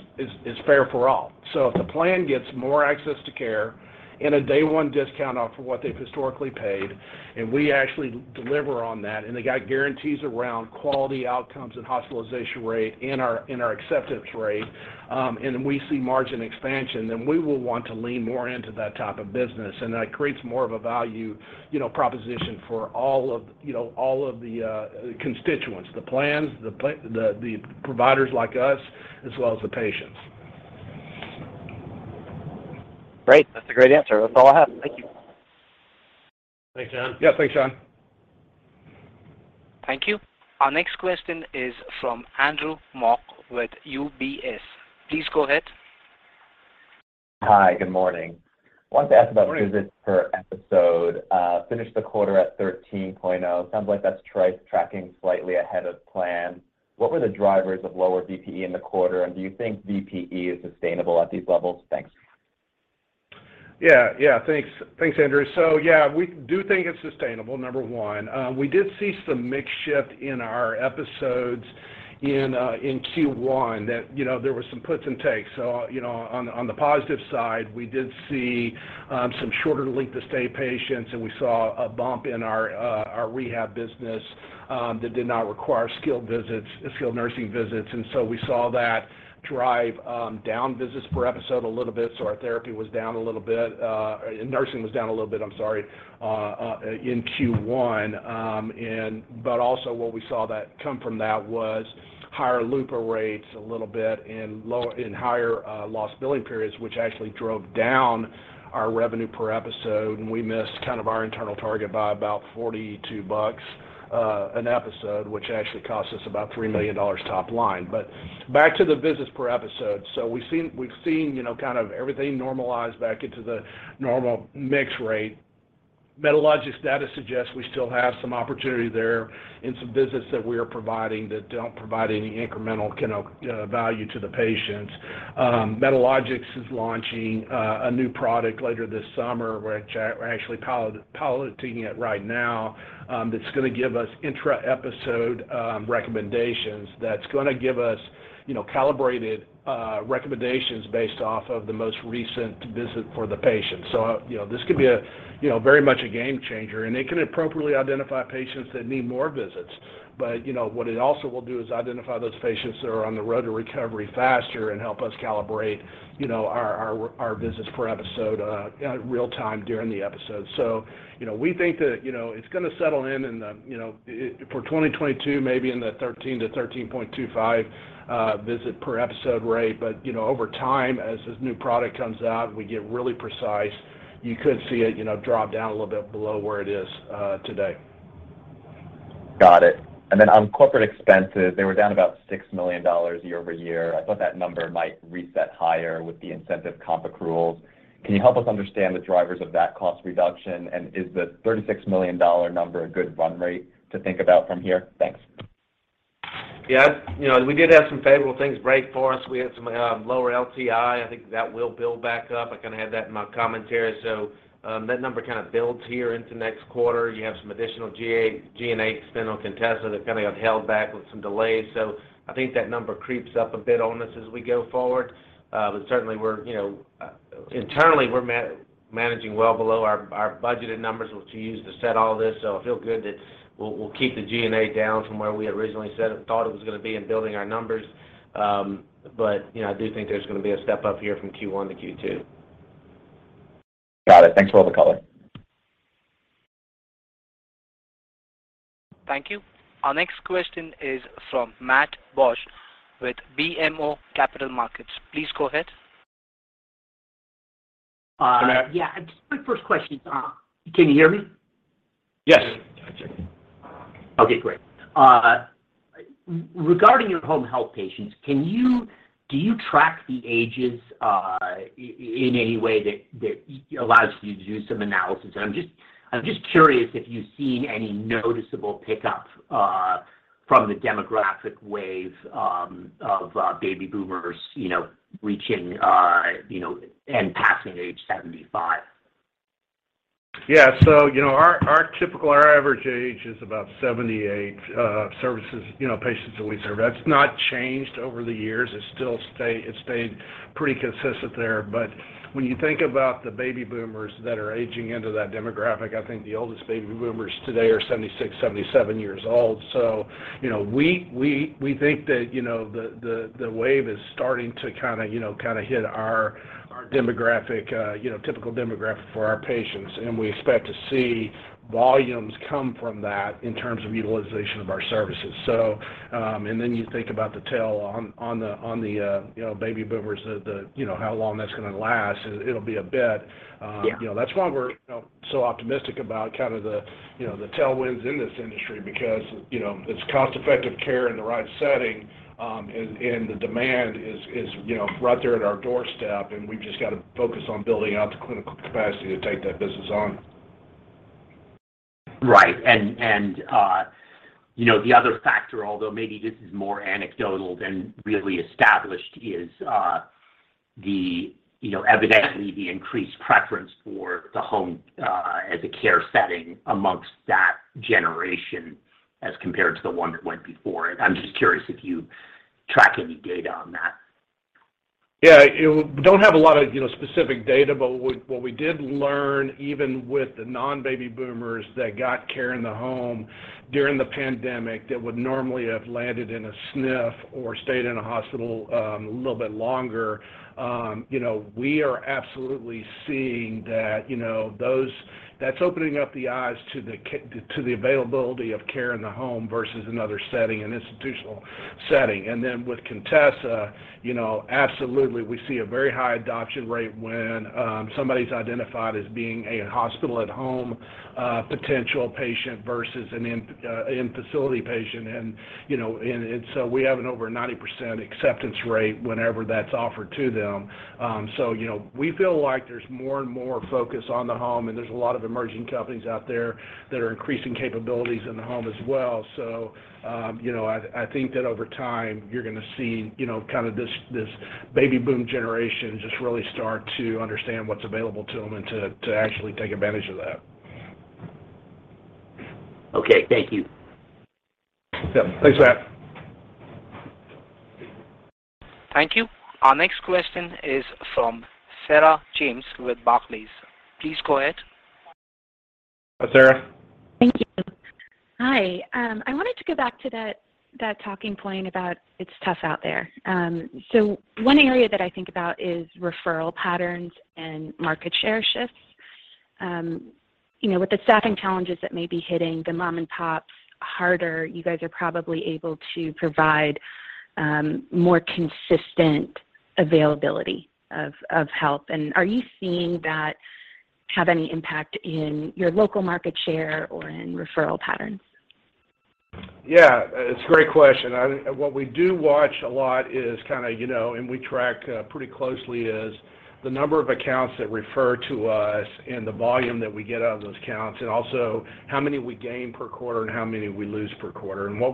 fair for all. If the plan gets more access to care and a day one discount off of what they've historically paid, and we actually deliver on that, and they got guarantees around quality outcomes and hospitalization rate and our acceptance rate, and we see margin expansion, then we will want to lean more into that type of business. That creates more of a value, you know, proposition for all of, you know, all of the constituents, the plans, the providers like us, as well as the patients. Great. That's a great answer. That's all I have. Thank you. Thanks, John. Yeah. Thanks, John. Thank you. Our next question is from Andrew Mok with UBS. Please go ahead. Hi, good morning. I wanted to ask about. Morning... visits per episode. Finished the quarter at 13.0. Sounds like that's tracking slightly ahead of plan. What were the drivers of lower VPE in the quarter, and do you think VPE is sustainable at these levels? Thanks. Yeah. Thanks, Andrew. We do think it's sustainable, number one. We did see some mix shift in our episodes in Q1 that, you know, there was some puts and takes. You know, on the positive side, we did see some shorter length of stay patients, and we saw a bump in our rehab business that did not require skilled nursing visits. We saw that drive down visits per episode a little bit. Our therapy was down a little bit. Nursing was down a little bit, I'm sorry, in Q1. But also what we saw that come from that was higher LUPA rates a little bit and higher late billing periods, which actually drove down our revenue per episode. We missed kind of our internal target by about $42 an episode, which actually cost us about $3 million top line. Back to the visits per episode. We've seen, you know, kind of everything normalize back into the normal mix rate. Medalogix data suggests we still have some opportunity there in some visits that we are providing that don't provide any incremental kind of value to the patients. Medalogix is launching a new product later this summer, which we're actually piloting it right now, that's gonna give us intra-episode recommendations, that's gonna give us, you know, calibrated recommendations based off of the most recent visit for the patient. You know, this could be, you know, very much a game changer, and it can appropriately identify patients that need more visits. You know, what it also will do is identify those patients that are on the road to recovery faster and help us calibrate, you know, our visits per episode in real time during the episode. You know, we think that, you know, it's gonna settle in for 2022 maybe in the 13-13.25 visit per episode rate. You know, over time, as this new product comes out and we get really precise, you could see it, you know, drop down a little bit below where it is today. Got it. On corporate expenses, they were down about $6 million year-over-year. I thought that number might reset higher with the incentive comp accruals. Can you help us understand the drivers of that cost reduction? Is the $36 million number a good run rate to think about from here? Thanks. Yeah. You know, we did have some favorable things break for us. We had some lower LTI. I think that will build back up. I kinda had that in my commentary. That number kinda builds here into next quarter. You have some additional G&A spend on Contessa that kinda got held back with some delays. I think that number creeps up a bit on us as we go forward. Certainly we're you know internally man-managing well below our budgeted numbers, which we used to set all this. I feel good that we'll keep the G&A down from where we originally thought it was gonna be in building our numbers. You know, I do think there's gonna be a step up here from Q1 to Q2. Got it. Thanks for all the color. Thank you. Our next question is from Matt Borsch with BMO Capital Markets. Please go ahead. Hi, Matt. Yeah, just quick first question. Can you hear me? Yes. Okay, great. Regarding your home health patients, do you track the ages in any way that allows you to do some analysis? I'm just curious if you've seen any noticeable pickup from the demographic wave of baby boomers, you know, reaching, you know, and passing age 75. Yeah. You know, our typical average age is about 78, services, you know, patients that we serve. That's not changed over the years. It's still it stayed pretty consistent there. When you think about the Baby Boomers that are aging into that demographic, I think the oldest Baby Boomers today are 76, 77 years old. You know, we think that, you know, the wave is starting to kinda, you know, kinda hit our demographic, you know, typical demographic for our patients. We expect to see volumes come from that in terms of utilization of our services. You think about the tail on the Baby Boomers, you know, how long that's gonna last. It'll be a bit. Yeah. You know, that's why we're, you know, so optimistic about kind of the, you know, the tailwinds in this industry because, you know, it's cost-effective care in the right setting, and the demand is, you know, right there at our doorstep, and we've just gotta focus on building out the clinical capacity to take that business on. Right. You know, the other factor, although maybe this is more anecdotal than really established, is the, you know, evidently the increased preference for the home as a care setting among that generation as compared to the one that went before it. I'm just curious if you track any data on that. Yeah. You know, we don't have a lot of specific data, but what we did learn, even with the non-baby boomers that got care in the home during the pandemic that would normally have landed in a SNF or stayed in a hospital a little bit longer, you know, we are absolutely seeing that, you know, that's opening up the eyes to the availability of care in the home versus another setting, an institutional setting. With Contessa, you know, absolutely, we see a very high adoption rate when somebody's identified as being a hospital-at-home potential patient versus an in-facility patient. You know, we have an over 90% acceptance rate whenever that's offered to them. You know, we feel like there's more and more focus on the home, and there's a lot of emerging companies out there that are increasing capabilities in the home as well. You know, I think that over time you're gonna see, you know, kind of this baby boom generation just really start to understand what's available to them and to actually take advantage of that. Okay. Thank you. Yeah. Thanks, Matt. Thank you. Our next question is from Sarah James with Barclays. Please go ahead. Hi, Sarah. Thank you. Hi. I wanted to go back to that talking point about it's tough out there. So one area that I think about is referral patterns and market share shifts. You know, with the staffing challenges that may be hitting the mom and pops harder, you guys are probably able to provide more consistent availability of help. Are you seeing that have any impact in your local market share or in referral patterns? Yeah, it's a great question. I mean, what we do watch a lot is kinda, you know, and we track pretty closely is the number of accounts that refer to us and the volume that we get out of those accounts, and also how many we gain per quarter and how many we lose per quarter. What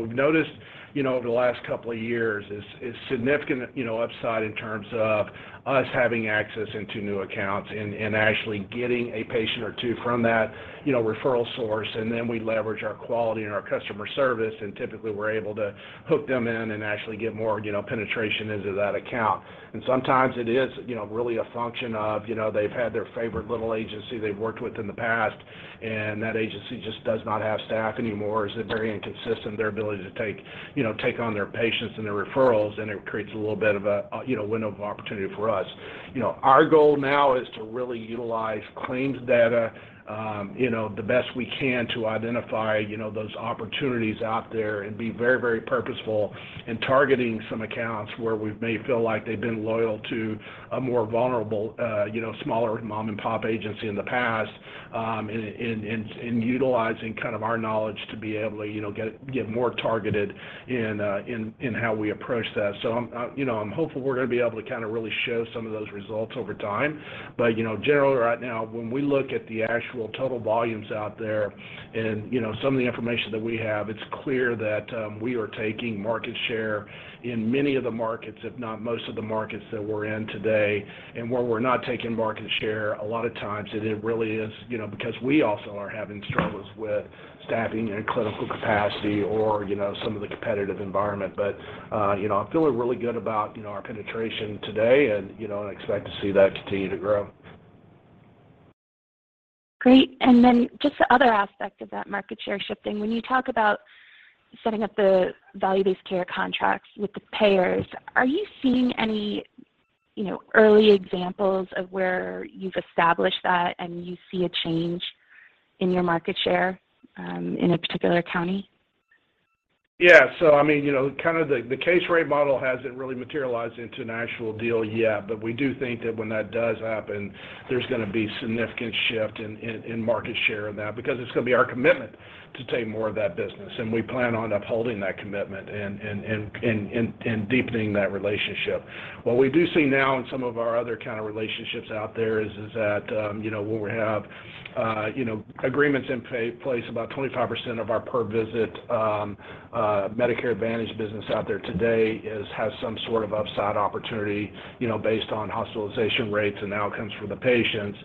we've noticed, you know, over the last couple of years is significant, you know, upside in terms of us having access into new accounts and actually getting a patient or two from that, you know, referral source, and then we leverage our quality and our customer service, and typically we're able to hook them in and actually get more, you know, penetration into that account. Sometimes it is, you know, really a function of, you know, they've had their favorite little agency they've worked with in the past, and that agency just does not have staff anymore, is very inconsistent in their ability to take on their patients and their referrals, and it creates a little bit of a window of opportunity for us. You know, our goal now is to really utilize claims data, you know, the best we can to identify, you know, those opportunities out there and be very, very purposeful in targeting some accounts where we may feel like they've been loyal to a more vulnerable, you know, smaller mom-and-pop agency in the past, in utilizing kind of our knowledge to be able to, you know, get more targeted in how we approach that. I'm hopeful we're gonna be able to kinda really show some of those results over time. You know, generally right now, when we look at the actual total volumes out there and, you know, some of the information that we have, it's clear that we are taking market share in many of the markets, if not most of the markets that we're in today. Where we're not taking market share, a lot of times it really is, you know, because we also are having struggles with staffing and clinical capacity or, you know, some of the competitive environment. You know, I'm feeling really good about, you know, our penetration today and, you know, and expect to see that continue to grow. Great. Just the other aspect of that market share shifting, when you talk about setting up the value-based care contracts with the payers, are you seeing any, you know, early examples of where you've established that and you see a change in your market share, in a particular county? Yeah. I mean, you know, kind of the case rate model hasn't really materialized into an actual deal yet. We do think that when that does happen, there's gonna be significant shift in market share in that because it's gonna be our commitment to take more of that business, and we plan on upholding that commitment and deepening that relationship. What we do see now in some of our other kind of relationships out there is that, you know, when we have, you know, agreements in place, about 25% of our per visit Medicare Advantage business out there today has some sort of upside opportunity, you know, based on hospitalization rates and outcomes for the patients.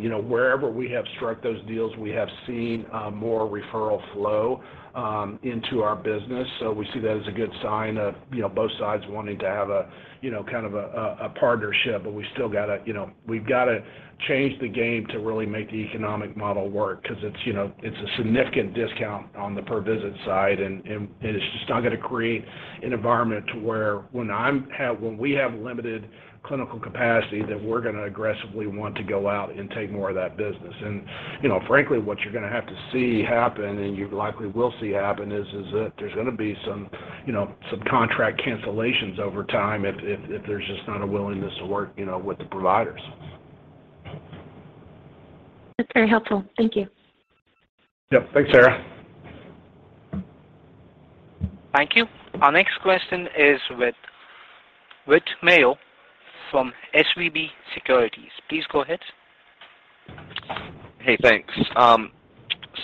You know, wherever we have struck those deals, we have seen more referral flow into our business. We see that as a good sign of both sides wanting to have a kind of a partnership, but we still gotta, you know, we've gotta change the game to really make the economic model work 'cause it's, you know, it's a significant discount on the per visit side and it's just not gonna create an environment to where when we have limited clinical capacity, that we're gonna aggressively want to go out and take more of that business. You know, frankly, what you're gonna have to see happen, and you likely will see happen, is that there's gonna be some, you know, some contract cancellations over time if there's just not a willingness to work, you know, with the providers. That's very helpful. Thank you. Yep. Thanks, Sarah. Thank you. Our next question is with Whit Mayo from SVB Securities. Please go ahead. Hey, thanks.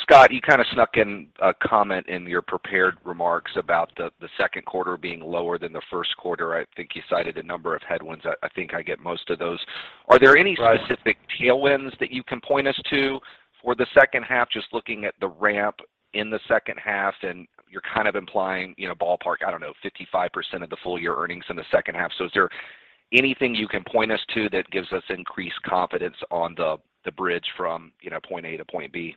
Scott, you kinda snuck in a comment in your prepared remarks about the second quarter being lower than the first quarter. I think you cited a number of headwinds. I think I get most of those. Right. Are there any specific tailwinds that you can point us to for the second half, just looking at the ramp in the second half? You're kind of implying, you know, ballpark, I don't know, 55% of the full year earnings in the second half. Is there anything you can point us to that gives us increased confidence on the bridge from, you know, point A to point B?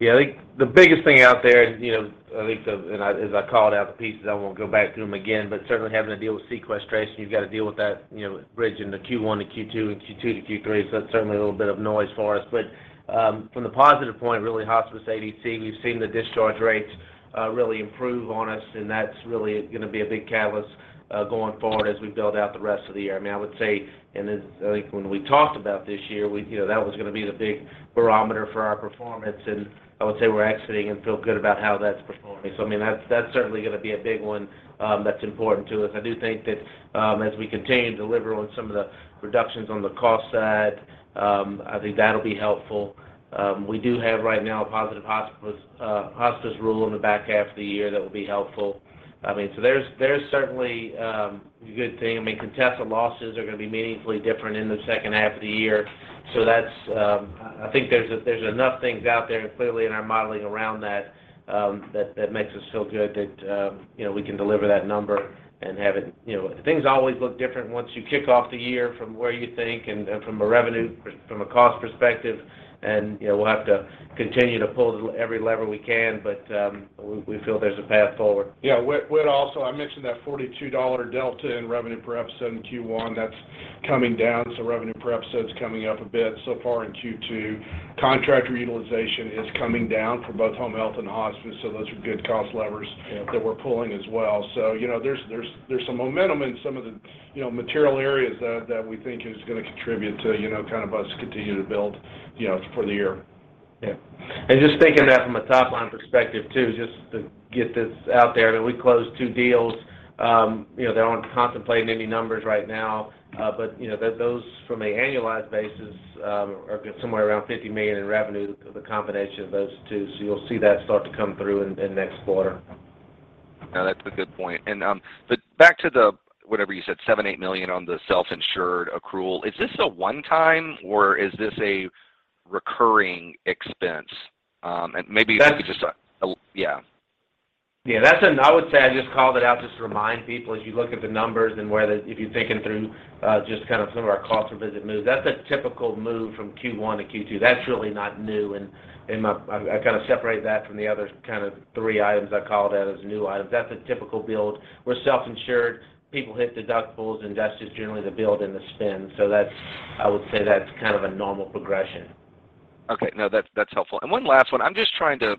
Yeah, I think the biggest thing out there, and you know, as I called out the pieces, I won't go back through them again, but certainly having to deal with sequestration, you've got to deal with that, you know, bridge into Q1 to Q2 and Q2 to Q3. That's certainly a little bit of noise for us. From the positive point, really, hospice ADC, we've seen the discharge rates really improve on us, and that's really gonna be a big catalyst going forward as we build out the rest of the year. I mean, I would say, I think when we talked about this year, we, you know, that was gonna be the big barometer for our performance, and I would say we're executing and feel good about how that's performing. I mean, that's certainly gonna be a big one, that's important to us. I do think that as we continue to deliver on some of the reductions on the cost side, I think that'll be helpful. We do have right now a positive hospice rule in the back half of the year that will be helpful. I mean, there's certainly a good thing. I mean, Contessa losses are gonna be meaningfully different in the second half of the year. That's. I think there's enough things out there and clearly in our modeling around that makes us feel good that you know, we can deliver that number and have it, you know. Things always look different once you kick off the year from where you think and from a cost perspective. You know, we'll have to continue to pull every lever we can, but we feel there's a path forward. Yeah. Whit also, I mentioned that $42 delta in revenue per episode in Q1. That's coming down, so revenue per episode is coming up a bit so far in Q2. Contractor utilization is coming down for both home health and hospice, so those are good cost levers. Yeah that we're pulling as well. You know, there's some momentum in some of the, you know, material areas that we think is gonna contribute to, you know, kind of us continue to build, you know, for the year. Yeah. Just thinking that from a top line perspective too, just to get this out there that we closed two deals. You know, they aren't contemplating any numbers right now. You know, those from an annualized basis are somewhere around $50 million in revenue, the combination of those two. You'll see that start to come through in next quarter. No, that's a good point. Back to the, whatever you said, $7-8 million on the self-insured accrual, is this a one-time or is this a recurring expense? Maybe if you could just- That's- Yeah. Yeah. That's. I would say I just called it out just to remind people as you look at the numbers, if you're thinking through just kind of some of our calls for visit moves, that's a typical move from Q1 to Q2. That's really not new. I kind of separate that from the other kind of three items I called out as new items. That's a typical build. We're self-insured. People hit deductibles, and that's just generally the build and the spend. That's, I would say, that's kind of a normal progression. Okay. No, that's helpful. One last one. I'm just trying to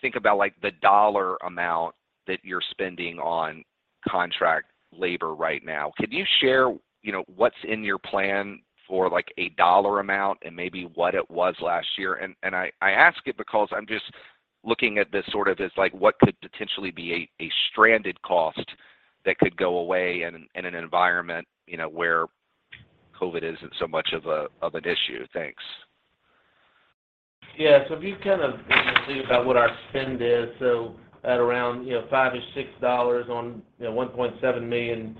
think about, like, the dollar amount that you're spending on contract labor right now. Can you share, you know, what's in your plan for, like, a dollar amount and maybe what it was last year? I ask it because I'm just looking at this sort of as, like, what could potentially be a stranded cost that could go away in an environment, you know, where COVID isn't so much of an issue. Thanks. Yeah. If you think about what our spend is, at around, you know, $5-$6 on, you know, 1.7 million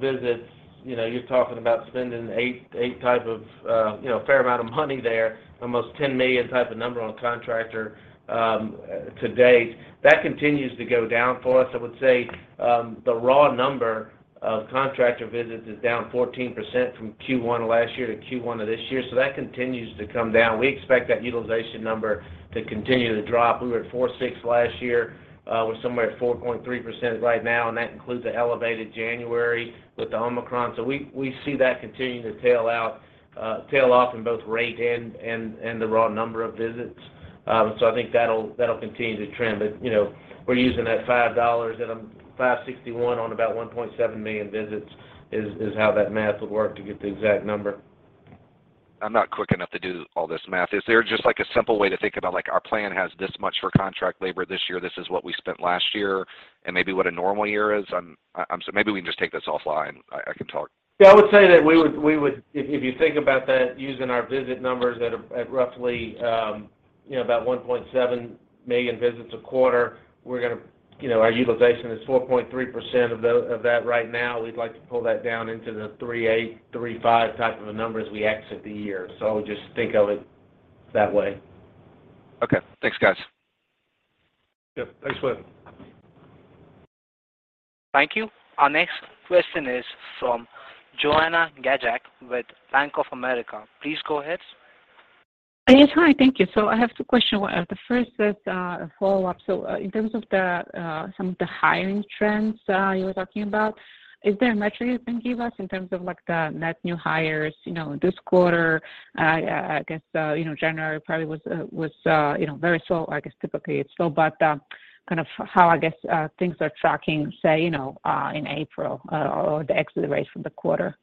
visits, you know, you're talking about spending eight type of, you know, a fair amount of money there, almost $10 million type of number on a contractor to date. That continues to go down for us. I would say, the raw number of contractor visits is down 14% from Q1 last year to Q1 of this year, that continues to come down. We expect that utilization number to continue to drop. We were at 4.6% last year. We're somewhere at 4.3% right now, and that includes the elevated January with the Omicron. We see that continuing to tail off in both rate and the raw number of visits. I think that'll continue to trend. You know, we're using that $5 and $5.61 on about 1.7 million visits is how that math would work to get the exact number. I'm not quick enough to do all this math. Is there just, like, a simple way to think about, like, our plan has this much for contract labor this year, this is what we spent last year, and maybe what a normal year is? Maybe we can just take this offline. I can talk. Yeah. I would say that we would. If you think about that using our visit numbers that are at roughly, you know, about 1.7 million visits a quarter, we're gonna, you know, our utilization is 4.3% of that right now. We'd like to pull that down into the 3.8%-3.5% type of a number as we exit the year. Just think of it that way. Okay. Thanks, guys. Yep. Thanks, Flynn. Thank you. Our next question is from Joanna Gajuk with Bank of America. Please go ahead. Yes. Hi. Thank you. I have two questions. One, the first is a follow-up. In terms of some of the hiring trends you were talking about, is there a metric you can give us in terms of, like, the net new hires, you know, this quarter? I guess you know January probably was very slow. I guess typically it's slow, but kind of how things are tracking, say, you know, in April, or the exit rates for the quarter.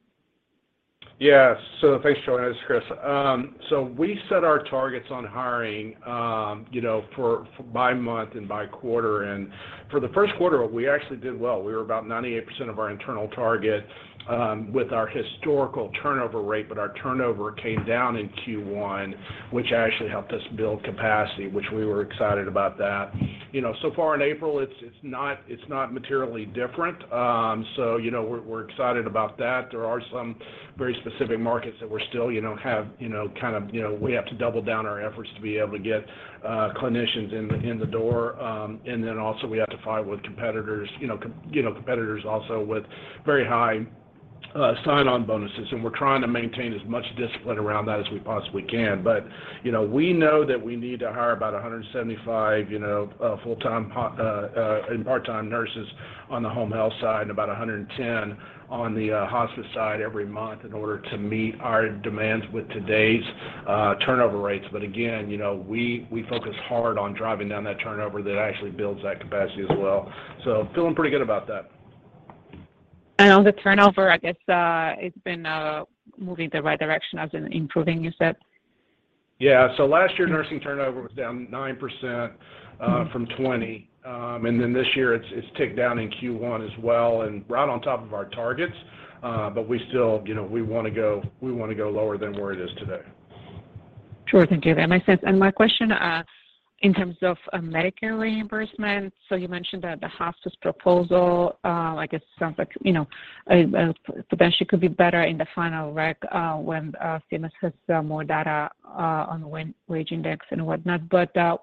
Yeah. Thanks for joining us, Chris. We set our targets on hiring, you know, for by month and by quarter. For the first quarter, we actually did well. We were about 98% of our internal target with our historical turnover rate. Our turnover came down in Q1, which actually helped us build capacity, which we were excited about that. You know, so far in April, it's not materially different. You know, we're excited about that. There are some very specific markets that we're still, you know, kind of, we have to double down our efforts to be able to get clinicians in the door. We have to fight with competitors, you know, competitors also with very high sign-on bonuses, and we're trying to maintain as much discipline around that as we possibly can. You know, we know that we need to hire about 175, you know, full-time and part-time nurses on the home health side and about 110 on the hospice side every month in order to meet our demands with today's turnover rates. Again, you know, we focus hard on driving down that turnover that actually builds that capacity as well. Feeling pretty good about that. On the turnover, I guess, it's been moving the right direction, has been improving, you said? Yeah. Last year, nursing turnover was down 9% from 20%. This year it's ticked down in Q1 as well, and right on top of our targets. We still, you know, we wanna go lower than where it is today. Sure. Thank you. That makes sense. My question, in terms of, Medicare reimbursement, so you mentioned that the hospice proposal, I guess sounds like, you know, potentially could be better in the final rule, when CMS has more data, on wage index and whatnot.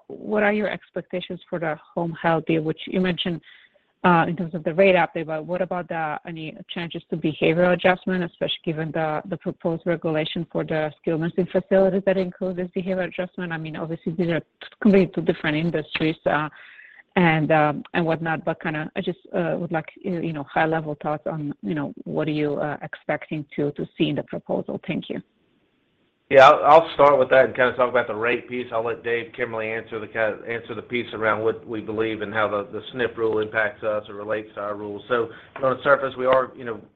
What are your expectations for the home health rule, which you mentioned, in terms of the rate update, but what about any changes to behavioral adjustment, especially given the proposed regulation for the skilled nursing facilities that includes this behavioral adjustment? I mean, obviously these are completely two different industries, and whatnot, but kinda I just would like, you know, high level thoughts on, you know, what are you expecting to see in the proposal. Thank you. Yeah, I'll start with that and kind of talk about the rate piece. I'll let Dave Kemmerly answer the piece around what we believe and how the SNF rule impacts us or relates to our rules. On the surface, we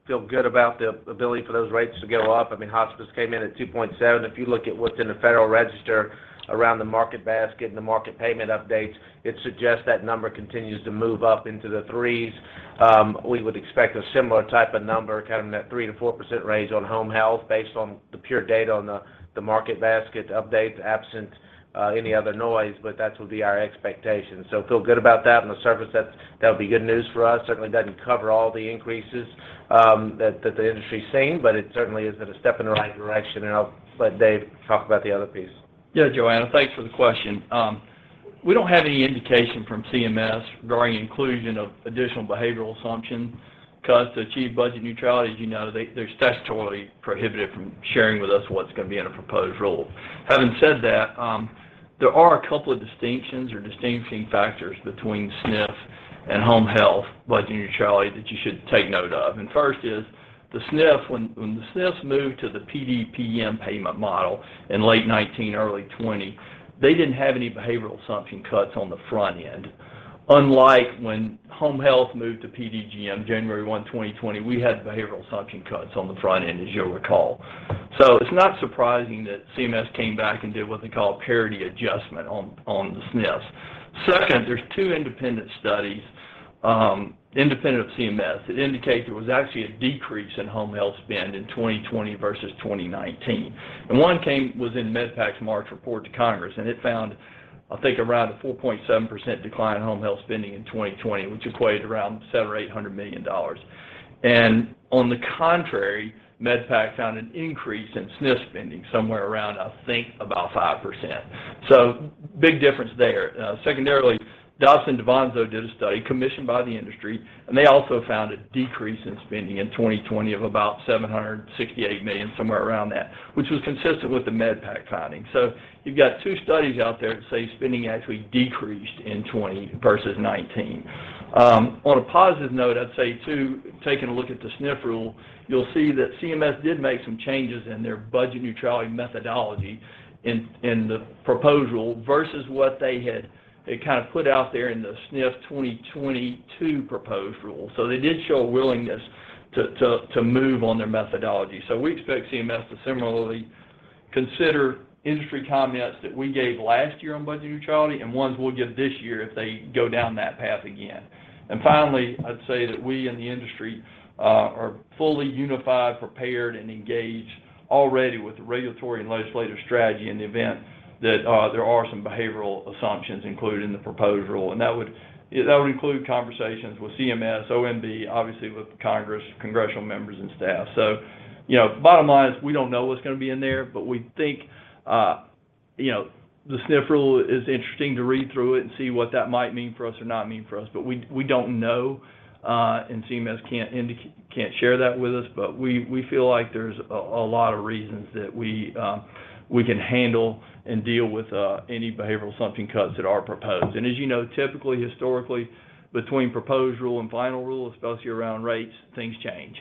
feel good about the ability for those rates to go up. I mean, hospice came in at 2.7%. If you look at what's in the Federal Register around the market basket and the market payment updates, it suggests that number continues to move up into the 3s. We would expect a similar type of number, kind of in that 3%-4% range on home health based on the pure data on the market basket updates, absent any other noise, but that would be our expectation. Feel good about that. On the surface, that's, that would be good news for us. Certainly doesn't cover all the increases, that the industry's seen, but it certainly is a step in the right direction. I'll let Dave talk about the other piece. Yeah, Joanna, thanks for the question. We don't have any indication from CMS regarding inclusion of additional behavioral assumption cuts to achieve budget neutrality. As you know, they're statutorily prohibited from sharing with us what's going to be in a proposed rule. Having said that, there are a couple of distinctions or distinguishing factors between SNF and home health budget neutrality that you should take note of. First is the SNF. When the SNFs moved to the PDPM payment model in late 2019, early 2020, they didn't have any behavioral assumption cuts on the front end. Unlike when home health moved to PDGM January 1, 2020, we had behavioral assumption cuts on the front end, as you'll recall. It's not surprising that CMS came back and did what they call a parity adjustment on the SNFs. Second, there's two independent studies independent of CMS that indicate there was actually a decrease in home health spend in 2020 versus 2019. One was in MedPAC's March report to Congress, and it found, I think, around a 4.7% decline in home health spending in 2020, which equated around $700-$800 million. On the contrary, MedPAC found an increase in SNF spending somewhere around, I think, about 5%. Big difference there. Secondarily, Dobson DaVanzo did a study commissioned by the industry, and they also found a decrease in spending in 2020 of about $768 million, somewhere around that, which was consistent with the MedPAC finding. You've got two studies out there that say spending actually decreased in 2020 versus 2019. On a positive note, I'd say, too, taking a look at the SNF rule, you'll see that CMS did make some changes in their budget neutrality methodology in the proposed rule versus what they had, they kind of put out there in the SNF 2022 proposed rule. They did show a willingness to move on their methodology. We expect CMS to similarly consider industry comments that we gave last year on budget neutrality and ones we'll give this year if they go down that path again. Finally, I'd say that we in the industry are fully unified, prepared, and engaged already with the regulatory and legislative strategy in the event that there are some behavioral assumptions included in the proposed rule. That would include conversations with CMS, OMB, obviously with Congress, congressional members and staff. Bottom line is we don't know what's going to be in there, but we think you know the SNF rule is interesting to read through it and see what that might mean for us or not mean for us. We don't know, and CMS can't share that with us. We feel like there's a lot of reasons that we can handle and deal with any behavioral assumption cuts that are proposed. As you know, typically, historically, between proposed rule and final rule, especially around rates, things change.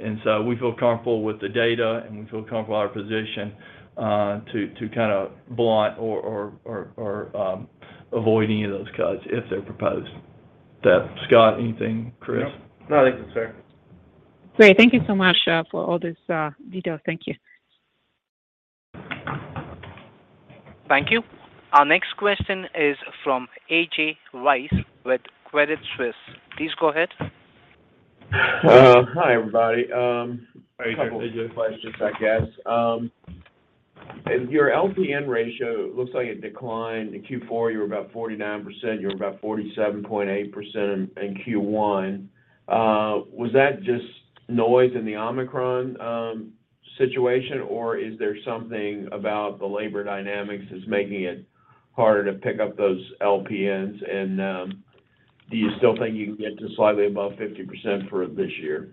We feel comfortable with the data and we feel comfortable with our position to kind of blunt or avoid any of those cuts if they're proposed. Steph, Scott, anything? Chris? No. No, I think it's fair. Great. Thank you so much for all this detail. Thank you. Thank you. Our next question is from A.J. Rice with Credit Suisse. Please go ahead. Hi, everybody. A couple of questions, I guess. Your LPN ratio looks like it declined. In Q4, you were about 49%. You're about 47.8% in Q1. Was that just noise in the Omicron situation, or is there something about the labor dynamics that's making it harder to pick up those LPNs? Do you still think you can get to slightly above 50% for this year?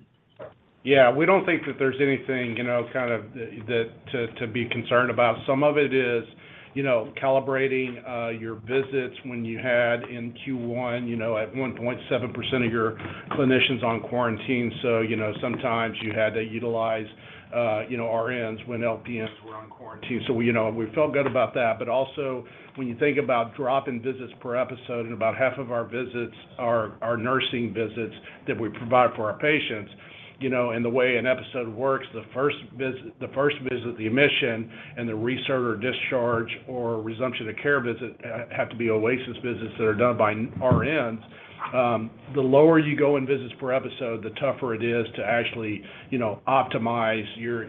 Yeah. We don't think that there's anything, you know, kind of that to be concerned about. Some of it is, you know, calibrating your visits when you had in Q1, you know, at 1.7% of your clinicians on quarantine. You know, sometimes you had to utilize, you know, RNs when LPNs were on quarantine. You know, we felt good about that. Also, when you think about drop in visits per episode, and about half of our visits are nursing visits that we provide for our patients. You know, and the way an episode works, the first visit, the admission and the restart or discharge or resumption of care visit have to be OASIS visits that are done by RNs. The lower you go in visits per episode, the tougher it is to actually, you know, optimize your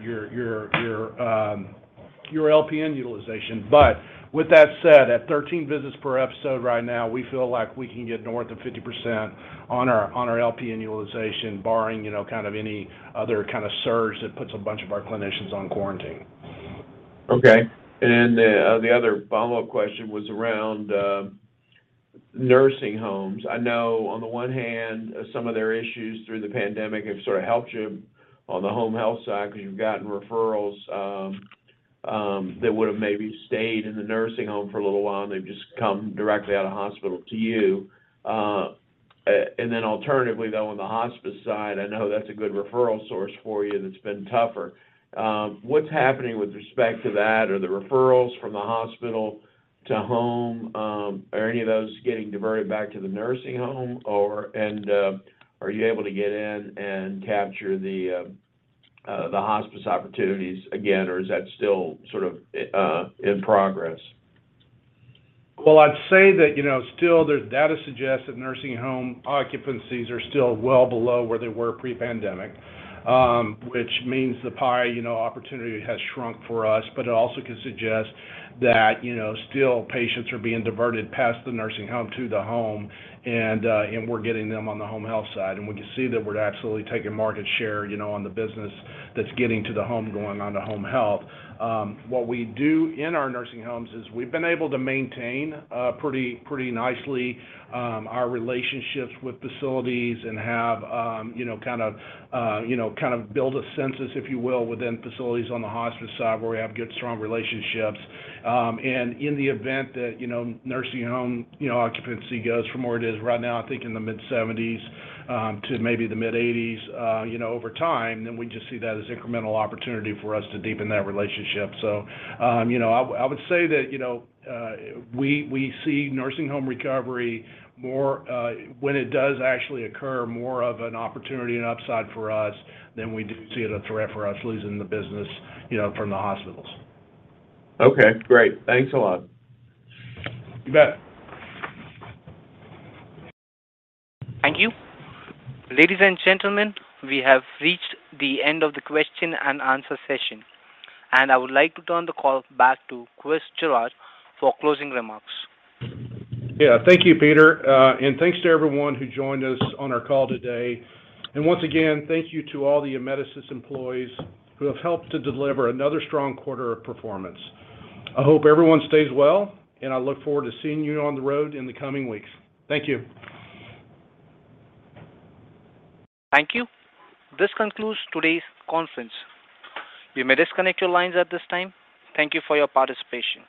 LPN utilization. But with that said, at 13 visits per episode right now, we feel like we can get north of 50% on our LPN utilization barring, you know, kind of any other kind of surge that puts a bunch of our clinicians on quarantine. Okay. The other follow-up question was around nursing homes. I know on the one hand, some of their issues through the pandemic have sort of helped you on the home health side because you've gotten referrals that would have maybe stayed in the nursing home for a little while, and they've just come directly out of hospital to you. Alternatively, though, on the hospice side, I know that's a good referral source for you, and it's been tougher. What's happening with respect to that? Are the referrals from the hospital to home, are any of those getting diverted back to the nursing home or, are you able to get in and capture the hospice opportunities again, or is that still sort of in progress? Well, I'd say that, you know, still the data suggests that nursing home occupancies are still well below where they were pre-pandemic, which means the pie, you know, opportunity has shrunk for us. But it also could suggest that, you know, still patients are being diverted past the nursing home to the home, and we're getting them on the home health side. We can see that we're absolutely taking market share, you know, on the business that's getting to the home, going on to home health. What we do in our nursing homes is we've been able to maintain pretty nicely our relationships with facilities and have, you know, kind of build a census, if you will, within facilities on the hospice side where we have good, strong relationships. In the event that, you know, nursing home, you know, occupancy goes from where it is right now, I think in the mid-70s, to maybe the mid-80s, you know, over time, then we just see that as incremental opportunity for us to deepen that relationship. You know, I would say that, you know, we see nursing home recovery more, when it does actually occur, more of an opportunity and upside for us than we do see it a threat for us losing the business, you know, from the hospitals. Okay, great. Thanks a lot. You bet. Thank you. Ladies and gentlemen, we have reached the end of the question and answer session, and I would like to turn the call back to Chris Gerard for closing remarks. Yeah. Thank you, Peter. Thanks to everyone who joined us on our call today. Once again, thank you to all the Amedisys employees who have helped to deliver another strong quarter of performance. I hope everyone stays well, and I look forward to seeing you on the road in the coming weeks. Thank you. Thank you. This concludes today's conference. You may disconnect your lines at this time. Thank you for your participation.